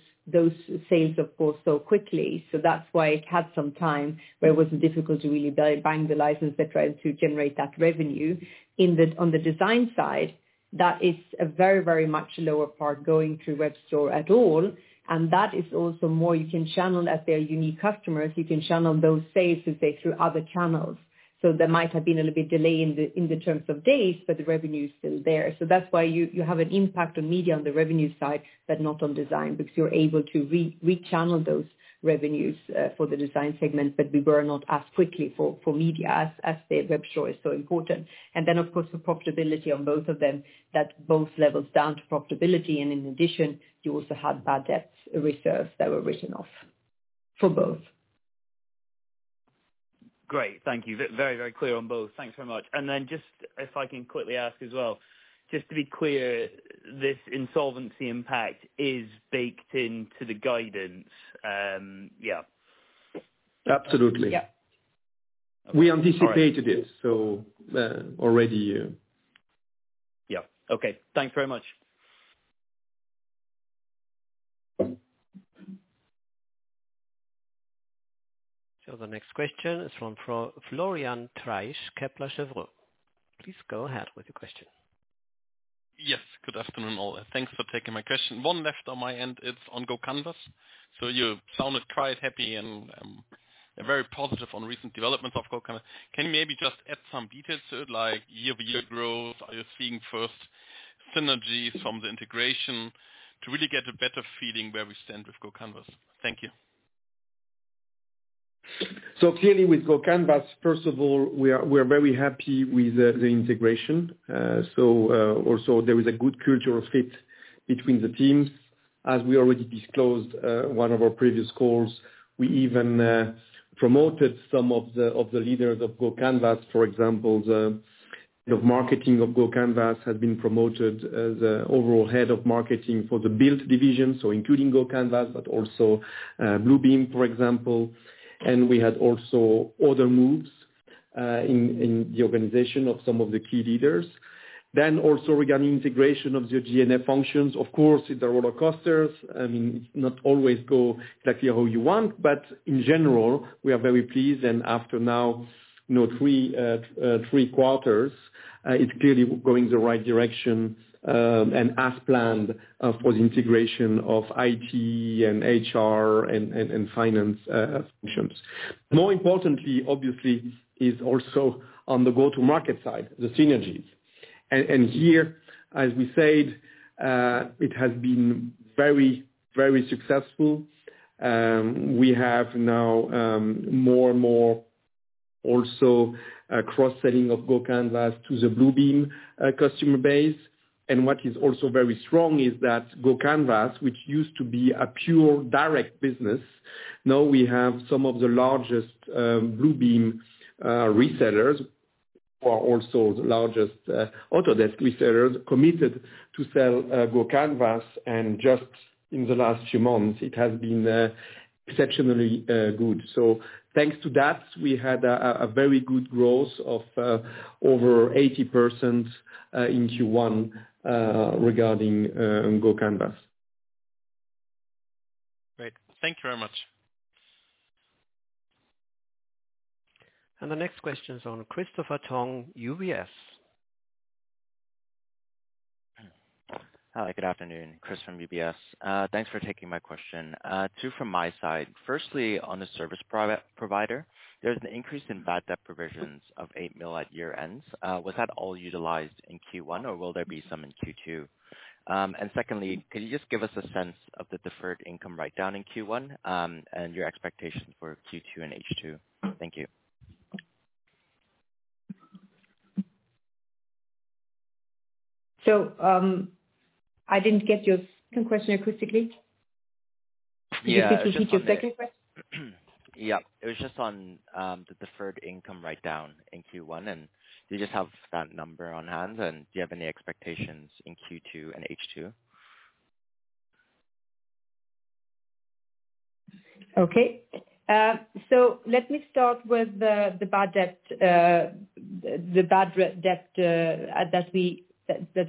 sales, of course, so quickly. That's why it had some time where it was difficult to really book the license that tried to generate that revenue. On the design side, that is a very, very much lower part going through web store at all. That is also more, you can channel to their unique customers, you can channel those sales, let's say, through other channels. There might have been a little bit of delay in terms of days, but the revenue is still there. That's why you have an impact on media on the revenue side, but not on design because you're able to rechannel those revenues for the design segment, but we can't reroute as quickly for media as the web store is so important. And then, of course, for profitability on both of them, that both levels down to profitability. And in addition, you also had bad debt reserves that were written off for both. Great. Thank you. Very, very clear on both. Thanks very much. And then just if I can quickly ask as well, just to be clear, this insolvency impact is baked into the guidance. Yeah. Absolutely. We anticipated it, so already. Yeah. Okay. Thanks very much. So the next question is from Florian Treisch, Kepler Cheuvreux. Please go ahead with your question. Yes. Good afternoon all. Thanks for taking my question. One left on my end. It's on GoCanvas. So you sounded quite happy and very positive on recent developments of GoCanvas. Can you maybe just add some details to it, like year-to-year growth? Are you seeing first synergies from the integration to really get a better feeling where we stand with GoCanvas? Thank you. So clearly, with GoCanvas, first of all, we are very happy with the integration. So also, there is a good cultural fit between the teams. As we already disclosed in one of our previous calls, we even promoted some of the leaders of GoCanvas. For example, the head of marketing of GoCanvas has been promoted as the overall head of marketing for the build division, so including GoCanvas, but also Bluebeam, for example. And we had also other moves in the organization of some of the key leaders. Then also regarding integration of the G&A functions, of course, it's a roller coaster. I mean, it's not always go exactly how you want, but in general, we are very pleased. And after now three quarters, it's clearly going the right direction and as planned for the integration of IT and HR and finance functions. More importantly, obviously, is also on the go-to-market side, the synergies. And here, as we said, it has been very, very successful. We have now more and more also cross-selling of GoCanvas to the Bluebeam customer base. And what is also very strong is that GoCanvas, which used to be a pure direct business, now we have some of the largest Bluebeam resellers, who are also the largest Autodesk resellers, committed to sell GoCanvas. And just in the last few months, it has been exceptionally good. So thanks to that, we had a very good growth of over 80% in Q1 regarding GoCanvas. Great. Thank you very much. And the next question is on Christopher Tong, UBS. Hi, good afternoon. Chris from UBS. Thanks for taking my question. Two from my side. Firstly, on the service provider, there's an increase in bad debt provisions of 8 million at year end. Was that all utilized in Q1, or will there be some in Q2? And secondly, could you just give us a sense of the deferred income write-down in Q1 and your expectations for Q2 and H2? Thank you. So I didn't get your second question acoustically. Did you just repeat your second question? Yeah. It was just on the deferred income write-down in Q1. And do you just have that number on hand? And do you have any expectations in Q2 and H2? Okay. So let me start with the bad debt that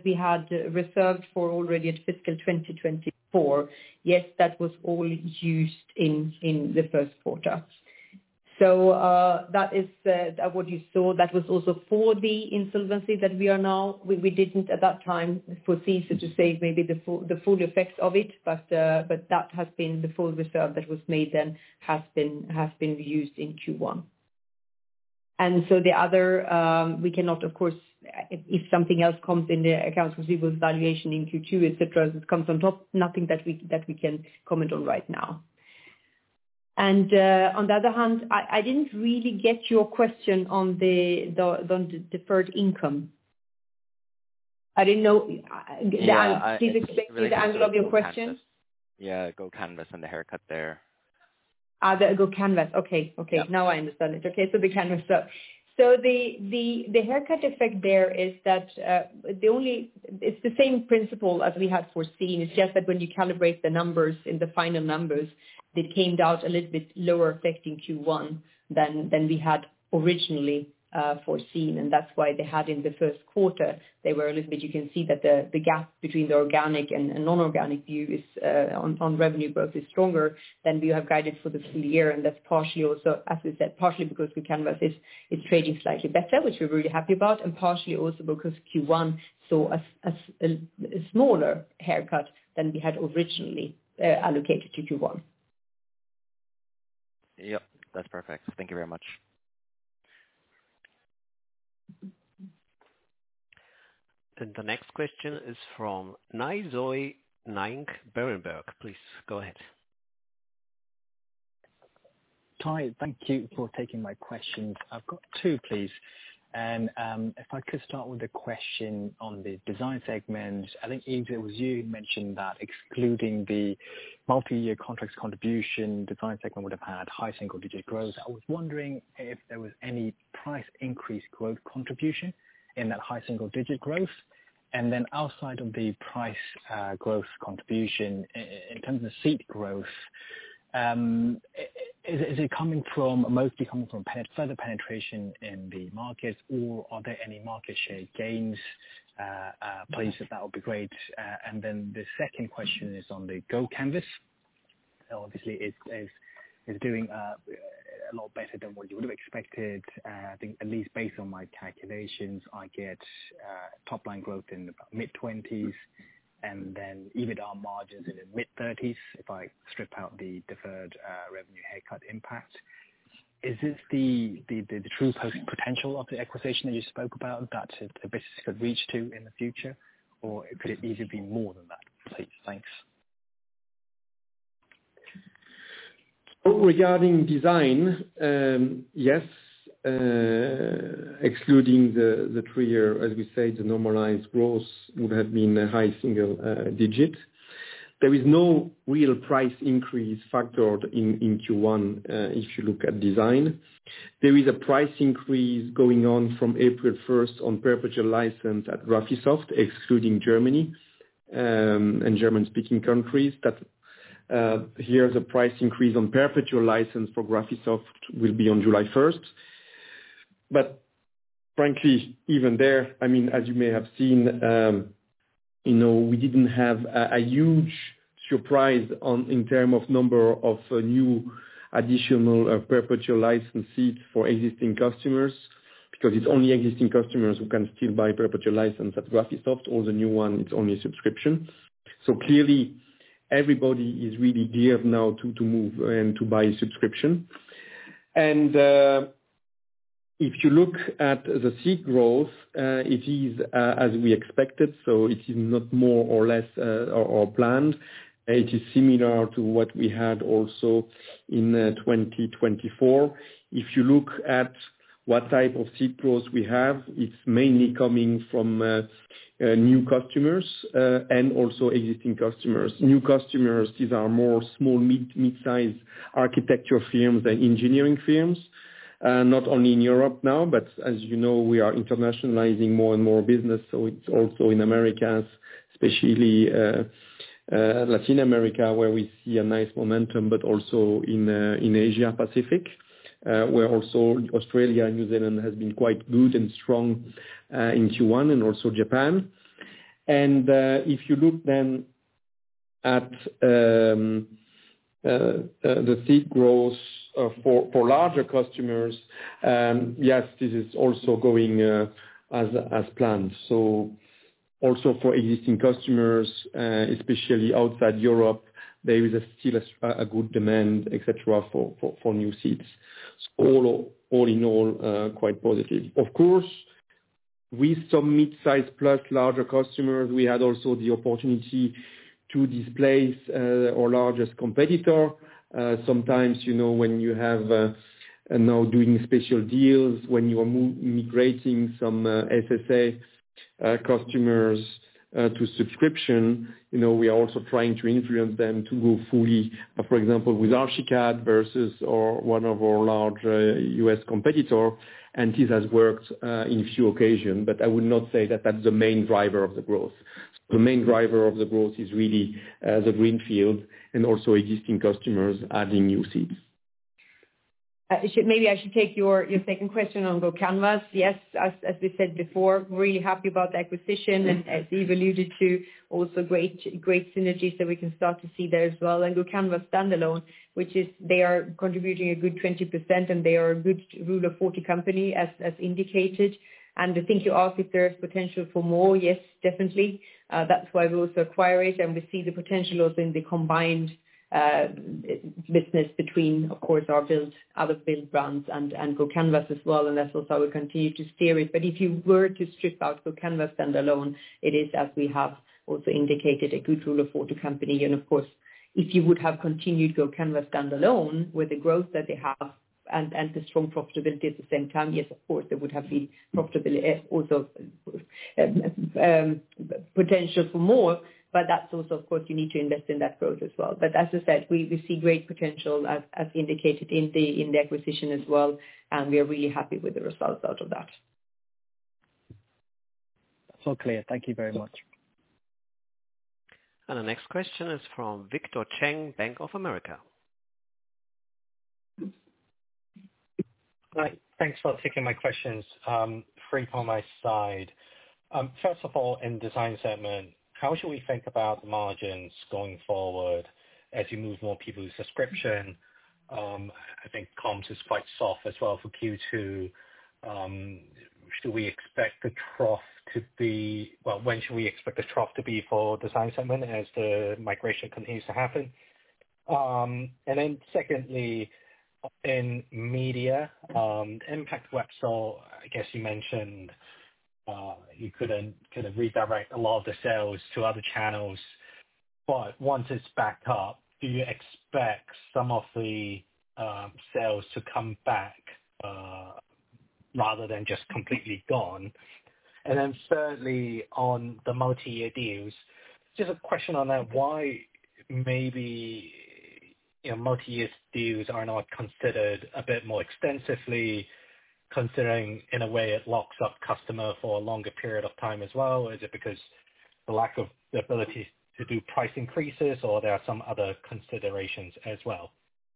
we had reserved for already at fiscal 2024. Yes, that was all used in the first quarter. So that is what you saw. That was also for the insolvency that we are now. We didn't at that time foresee to save maybe the full effects of it, but that has been the full reserve that was made then has been used in Q1. And so the other, we cannot, of course, if something else comes in the accounts receivables valuation in Q2, etc., as it comes on top, nothing that we can comment on right now. And on the other hand, I didn't really get your question on the deferred income. I didn't know. Please explain to me the angle of your question. Yeah, GoCanvas and the haircut there. GoCanvas. Okay. Okay. Now I understand it. Okay. So the Canvas. So the haircut effect there is that it's the same principle as we had foreseen. It's just that when you calibrate the numbers in the final numbers, it came down a little bit lower effect in Q1 than we had originally foreseen. And that's why they had in the first quarter, they were a little bit. You can see that the gap between the organic and non-organic views on revenue growth is stronger than we have guided for the full year. And that's partially also, as we said, partially because GoCanvas is trading slightly better, which we're really happy about, and partially also because Q1 saw a smaller haircut than we had originally allocated to Q1. Yep. That's perfect. Thank you very much. And the next question is from Nay Soe Naing, Berenberg. Please go ahead. Hi. Thank you for taking my questions. I've got two, please. And if I could start with the question on the design segment, I think it was you who mentioned that excluding the multi-year contracts contribution, design segment would have had high single-digit growth. I was wondering if there was any price increase growth contribution in that high single-digit growth. And then outside of the price growth contribution, in terms of seat growth, is it mostly coming from further penetration in the markets, or are there any market share gains? Please, if that would be great. And then the second question is on the GoCanvas. Obviously, it's doing a lot better than what you would have expected. I think, at least based on my calculations, I get top-line growth in the mid-20s and then EBITDA margins in the mid-30s if I strip out the deferred revenue haircut impact. Is this the true potential of the acquisition that you spoke about that the business could reach to in the future, or could it easily be more than that? Please, thanks. Regarding design, yes, excluding the three-year, as we said, the normalized growth would have been a high single-digit. There is no real price increase factored in Q1 if you look at design. There is a price increase going on from April 1st on perpetual license at Graphisoft, excluding Germany and German-speaking countries. Here's a price increase on perpetual license for Graphisoft will be on July 1st. But frankly, even there, I mean, as you may have seen, we didn't have a huge surprise in terms of number of new additional perpetual license seats for existing customers because it's only existing customers who can still buy perpetual license at Graphisoft. All the new one, it's only a subscription. Clearly, everybody is really geared now to move and to buy a subscription. And if you look at the seat growth, it is as we expected. So it is not more or less or planned. It is similar to what we had also in 2024. If you look at what type of seat growth we have, it's mainly coming from new customers and also existing customers. New customers, these are more small, mid-size architecture firms and engineering firms, not only in Europe now, but as you know, we are internationalizing more and more business. So it's also in the Americas, especially Latin America, where we see a nice momentum, but also in Asia-Pacific, where also Australia and New Zealand have been quite good and strong in Q1 and also Japan. And if you look then at the seat growth for larger customers, yes, this is also going as planned. So also for existing customers, especially outside Europe, there is still a good demand, etc., for new seats. So all in all, quite positive. Of course, with some mid-size plus larger customers, we had also the opportunity to displace our largest competitor. Sometimes when you have now doing special deals, when you are migrating some SSA customers to subscription, we are also trying to influence them to go fully, for example, with Archicad versus one of our large U.S. competitors. And this has worked in a few occasions, but I would not say that that's the main driver of the growth. The main driver of the growth is really the greenfield and also existing customers adding new seats. Maybe I should take your second question on GoCanvas. Yes, as we said before, really happy about the acquisition. And as Yves alluded to, also great synergy. So we can start to see there as well. And GoCanvas standalone, which is they are contributing a good 20%, and they are a good Rule of 40 company as indicated. And I think you asked if there's potential for more. Yes, definitely. That's why we also acquire it. And we see the potential also in the combined business between, of course, our other build brands and GoCanvas as well. And that's also how we continue to steer it. But if you were to strip out GoCanvas standalone, it is, as we have also indicated, a good Rule of 40 company. And of course, if you would have continued GoCanvas standalone with the growth that they have and the strong profitability at the same time, yes, of course, there would have been potential for more. But that's also, of course, you need to invest in that growth as well. But as I said, we see great potential as indicated in the acquisition as well. And we are really happy with the results out of that. So clear. Thank you very much. And the next question is from Victor Cheng, Bank of America. Thanks for taking my questions. Three from my side. First of all, in design segment, how should we think about the margins going forward as you move more people to subscription? I think comps is quite soft as well for Q2. Should we expect the trough to be, when should we expect the trough to be for design segment as the migration continues to happen? And then secondly, in media, impact website, I guess you mentioned you couldn't kind of redirect a lot of the sales to other channels. But once it's backed up, do you expect some of the sales to come back rather than just completely gone? And then thirdly, on the multi-year deals, just a question on that. Why maybe multi-year deals are not considered a bit more extensively, considering in a way it locks up customers for a longer period of time as well? Is it because the lack of ability to do price increases, or there are some other considerations as well?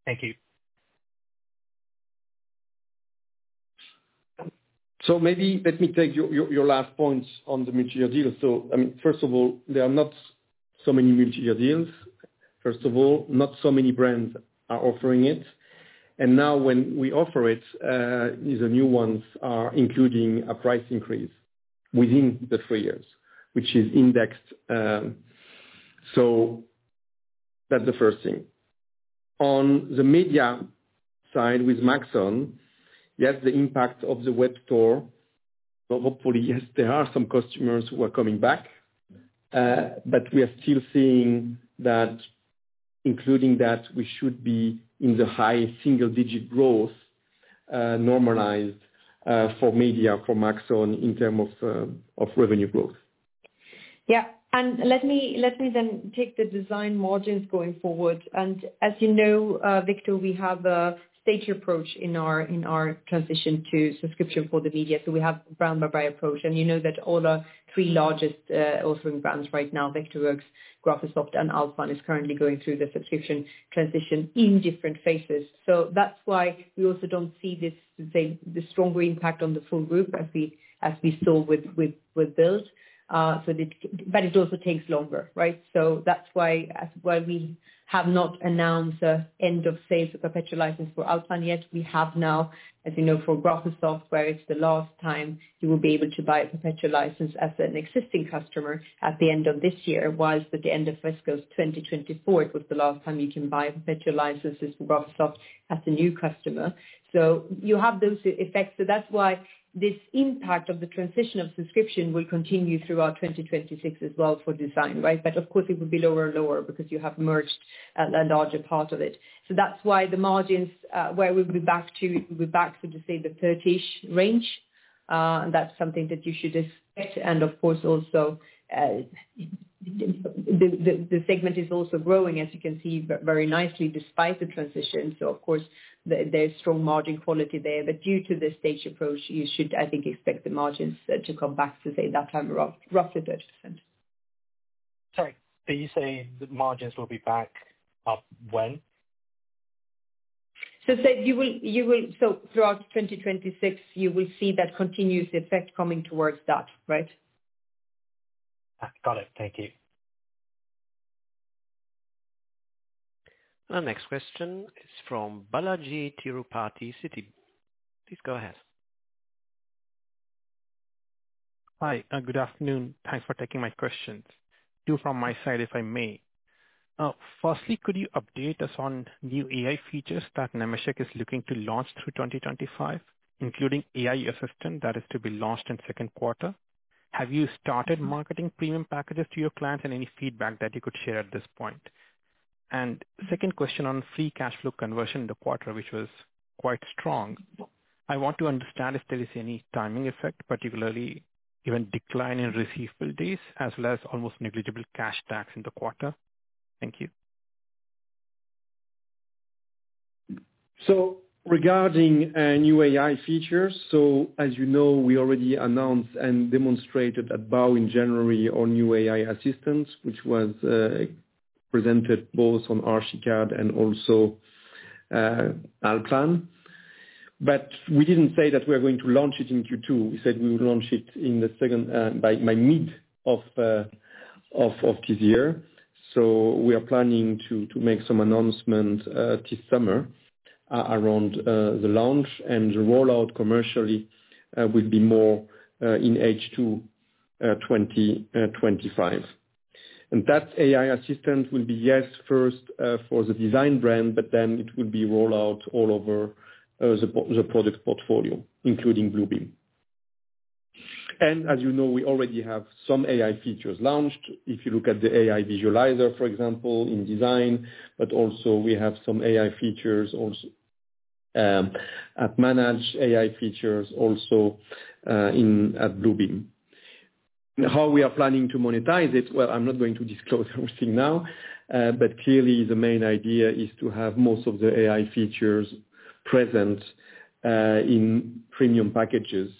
Thank you. So maybe let me take your last points on the multi-year deal. So I mean, first of all, there are not so many multi-year deals. First of all, not so many brands are offering it. And now when we offer it, the new ones are including a price increase within the three years, which is indexed. So that's the first thing. On the media side with Maxon, yes, the impact of the web store, hopefully, yes, there are some customers who are coming back. But we are still seeing that including that we should be in the high single-digit growth normalized for media, for Maxon in terms of revenue growth. Yeah. And let me then take the design margins going forward. And as you know, Victor, we have a staged approach in our transition to subscription for the media. So we have a brand-by-brand approach. And you know that all the three largest authoring brands right now, Vectorworks, Graphisoft, and Allplan, are currently going through the subscription transition in different phases. So that's why we also don't see the stronger impact on the full group as we saw with Bluebeam. But it also takes longer, right? So that's why we have not announced the end of sales of perpetual license for Allplan yet. We have now, as you know, for Graphisoft, where it's the last time you will be able to buy a perpetual license as an existing customer at the end of this year. While at the end of fiscal 2024, it was the last time you can buy a perpetual license for Graphisoft as a new customer. So you have those effects. So that's why this impact of the transition of subscription will continue throughout 2026 as well for design, right? But of course, it will be lower and lower because you have merged a larger part of it. So that's why the margins where we'll be back to, to say, the 30-ish range. And that's something that you should expect. And of course, also the segment is also growing, as you can see very nicely despite the transition. So of course, there's strong margin quality there. But due to the staged approach, you should, I think, expect the margins to come back to, say, that time around, roughly 30%. Sorry. Did you say the margins will be back up when? So you will, so throughout 2026, you will see that continuous effect coming towards that, right? Got it. Thank you. And the next question is from Balajee Tirupati, Citi. Please go ahead. Hi. Good afternoon. Thanks for taking my questions. Two from my side, if I may. Firstly, could you update us on new AI features that Nemetschek is looking to launch through 2025, including AI assistant that is to be launched in second quarter? Have you started marketing premium packages to your clients and any feedback that you could share at this point? And second question on free cash flow conversion in the quarter, which was quite strong. I want to understand if there is any timing effect, particularly even decline in receivables days as well as almost negligible cash tax in the quarter. Thank you. Regarding new AI features, as you know, we already announced and demonstrated at BAU in January on new AI assistants, which was presented both on Archicad and also Allplan. But we didn't say that we are going to launch it in Q2. We said we will launch it in the second by mid of this year. We are planning to make some announcements this summer around the launch. And the rollout commercially will be more in H2 2025. And that AI Assistant will be used first for the design brand, but then it will be rolled out all over the product portfolio, including Bluebeam. And as you know, we already have some AI features launched. If you look at the AI Visualizer, for example, in design, but also we have some AI features also at Manage, AI features also at Bluebeam. How we are planning to monetize it? Well, I'm not going to disclose everything now. But clearly, the main idea is to have most of the AI features present in premium packages.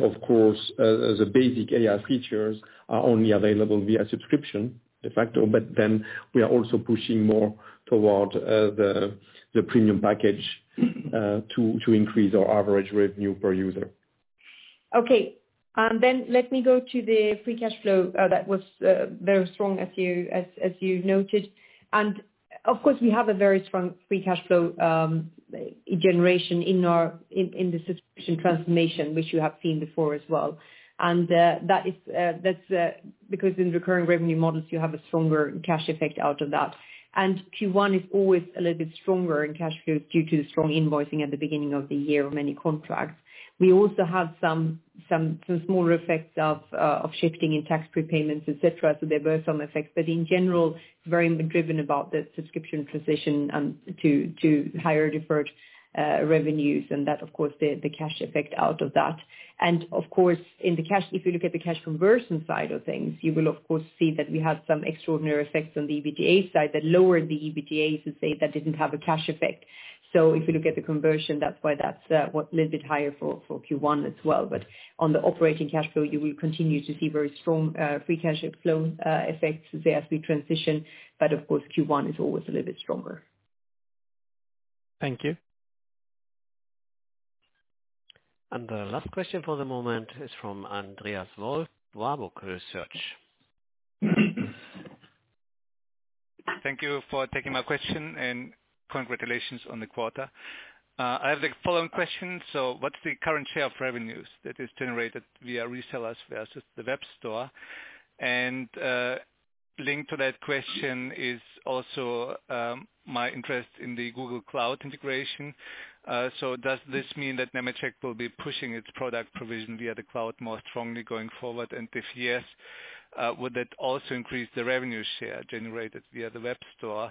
Of course, the basic AI features are only available via subscription, de facto. But then we are also pushing more toward the premium package to increase our average revenue per user. Okay. And then let me go to the free cash flow that was very strong, as you noted. And of course, we have a very strong free cash flow generation in the subscription transformation, which you have seen before as well. And that's because in recurring revenue models, you have a stronger cash effect out of that. And Q1 is always a little bit stronger in cash flows due to the strong invoicing at the beginning of the year on many contracts. We also have some smaller effects of shifting in tax prepayments, etc. So there were some effects. But in general, very driven about the subscription transition to higher deferred revenues. And that, of course, the cash effect out of that. And of course, if you look at the cash conversion side of things, you will, of course, see that we have some extraordinary effects on the EBITDA side that lowered the EBITDA, to say, that didn't have a cash effect. So if you look at the conversion, that's why that's a little bit higher for Q1 as well. But on the operating cash flow, you will continue to see very strong free cash flow effects as we transition. But of course, Q1 is always a little bit stronger. Thank you. And the last question for the moment is from Andreas Wolf, Warburg Research. Thank you for taking my question and congratulations on the quarter. I have the following question. So what's the current share of revenues that is generated via resellers versus the web store? And linked to that question is also my interest in the Google Cloud integration. So does this mean that Nemetschek will be pushing its product provision via the cloud more strongly going forward? And if yes, would that also increase the revenue share generated via the web store?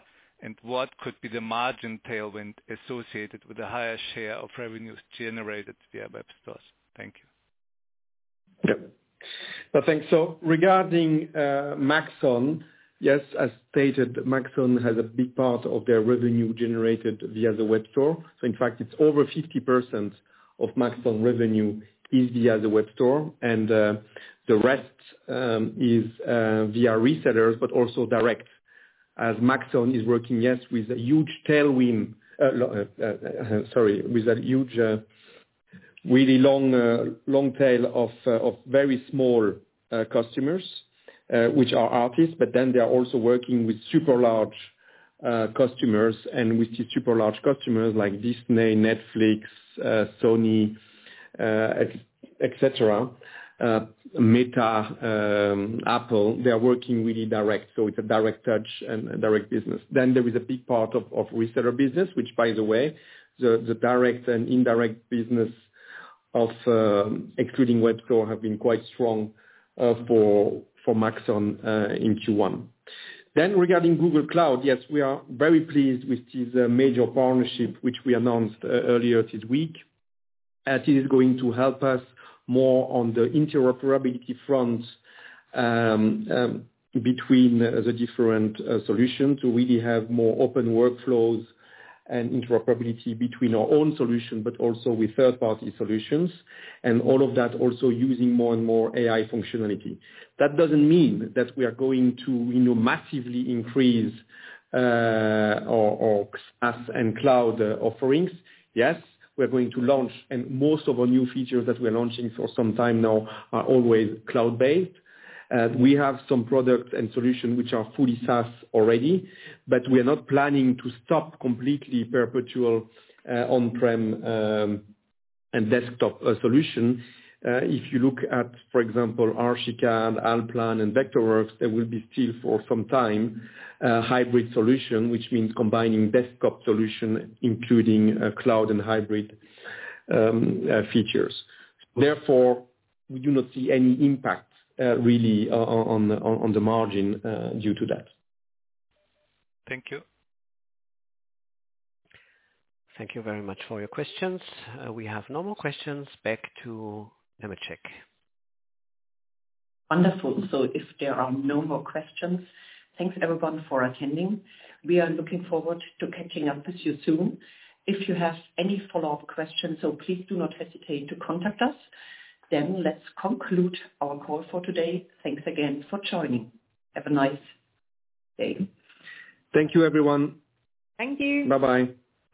What could be the margin tailwind associated with the higher share of revenues generated via web stores? Thank you. Yep. Thanks. Regarding Maxon, yes, as stated, Maxon has a big part of their revenue generated via the web store. In fact, it's over 50% of Maxon revenue via the web store. The rest is via resellers, but also direct. As Maxon is working, yes, with a huge tailwind, sorry, with a huge, really long tail of very small customers, which are artists. But then they are also working with super large customers. With these super large customers like Disney, Netflix, Sony, etc., Meta, Apple, they are working really direct. It's a direct touch and direct business. Then there is a big part of reseller business, which, by the way, the direct and indirect business excluding web store have been quite strong for Maxon in Q1. Then regarding Google Cloud, yes, we are very pleased with this major partnership, which we announced earlier this week. It is going to help us more on the interoperability front between the different solutions to really have more open workflows and interoperability between our own solution, but also with third-party solutions. And all of that also using more and more AI functionality. That doesn't mean that we are going to massively increase our SaaS and cloud offerings. Yes, we're going to launch. And most of our new features that we are launching for some time now are always cloud-based. We have some products and solutions which are fully SaaS already. But we are not planning to stop completely perpetual on-prem and desktop solution. If you look at, for example, Archicad, Allplan, and Vectorworks, there will be still for some time hybrid solution, which means combining desktop solution, including cloud and hybrid features. Therefore, we do not see any impact really on the margin due to that. Thank you. Thank you very much for your questions. We have no more questions. Back to Nemetschek. Wonderful. So if there are no more questions, thanks everyone for attending. We are looking forward to catching up with you soon. If you have any follow-up questions, so please do not hesitate to contact us. Then let's conclude our call for today. Thanks again for joining. Have a nice day. Thank you, everyone. Thank you. Bye-bye.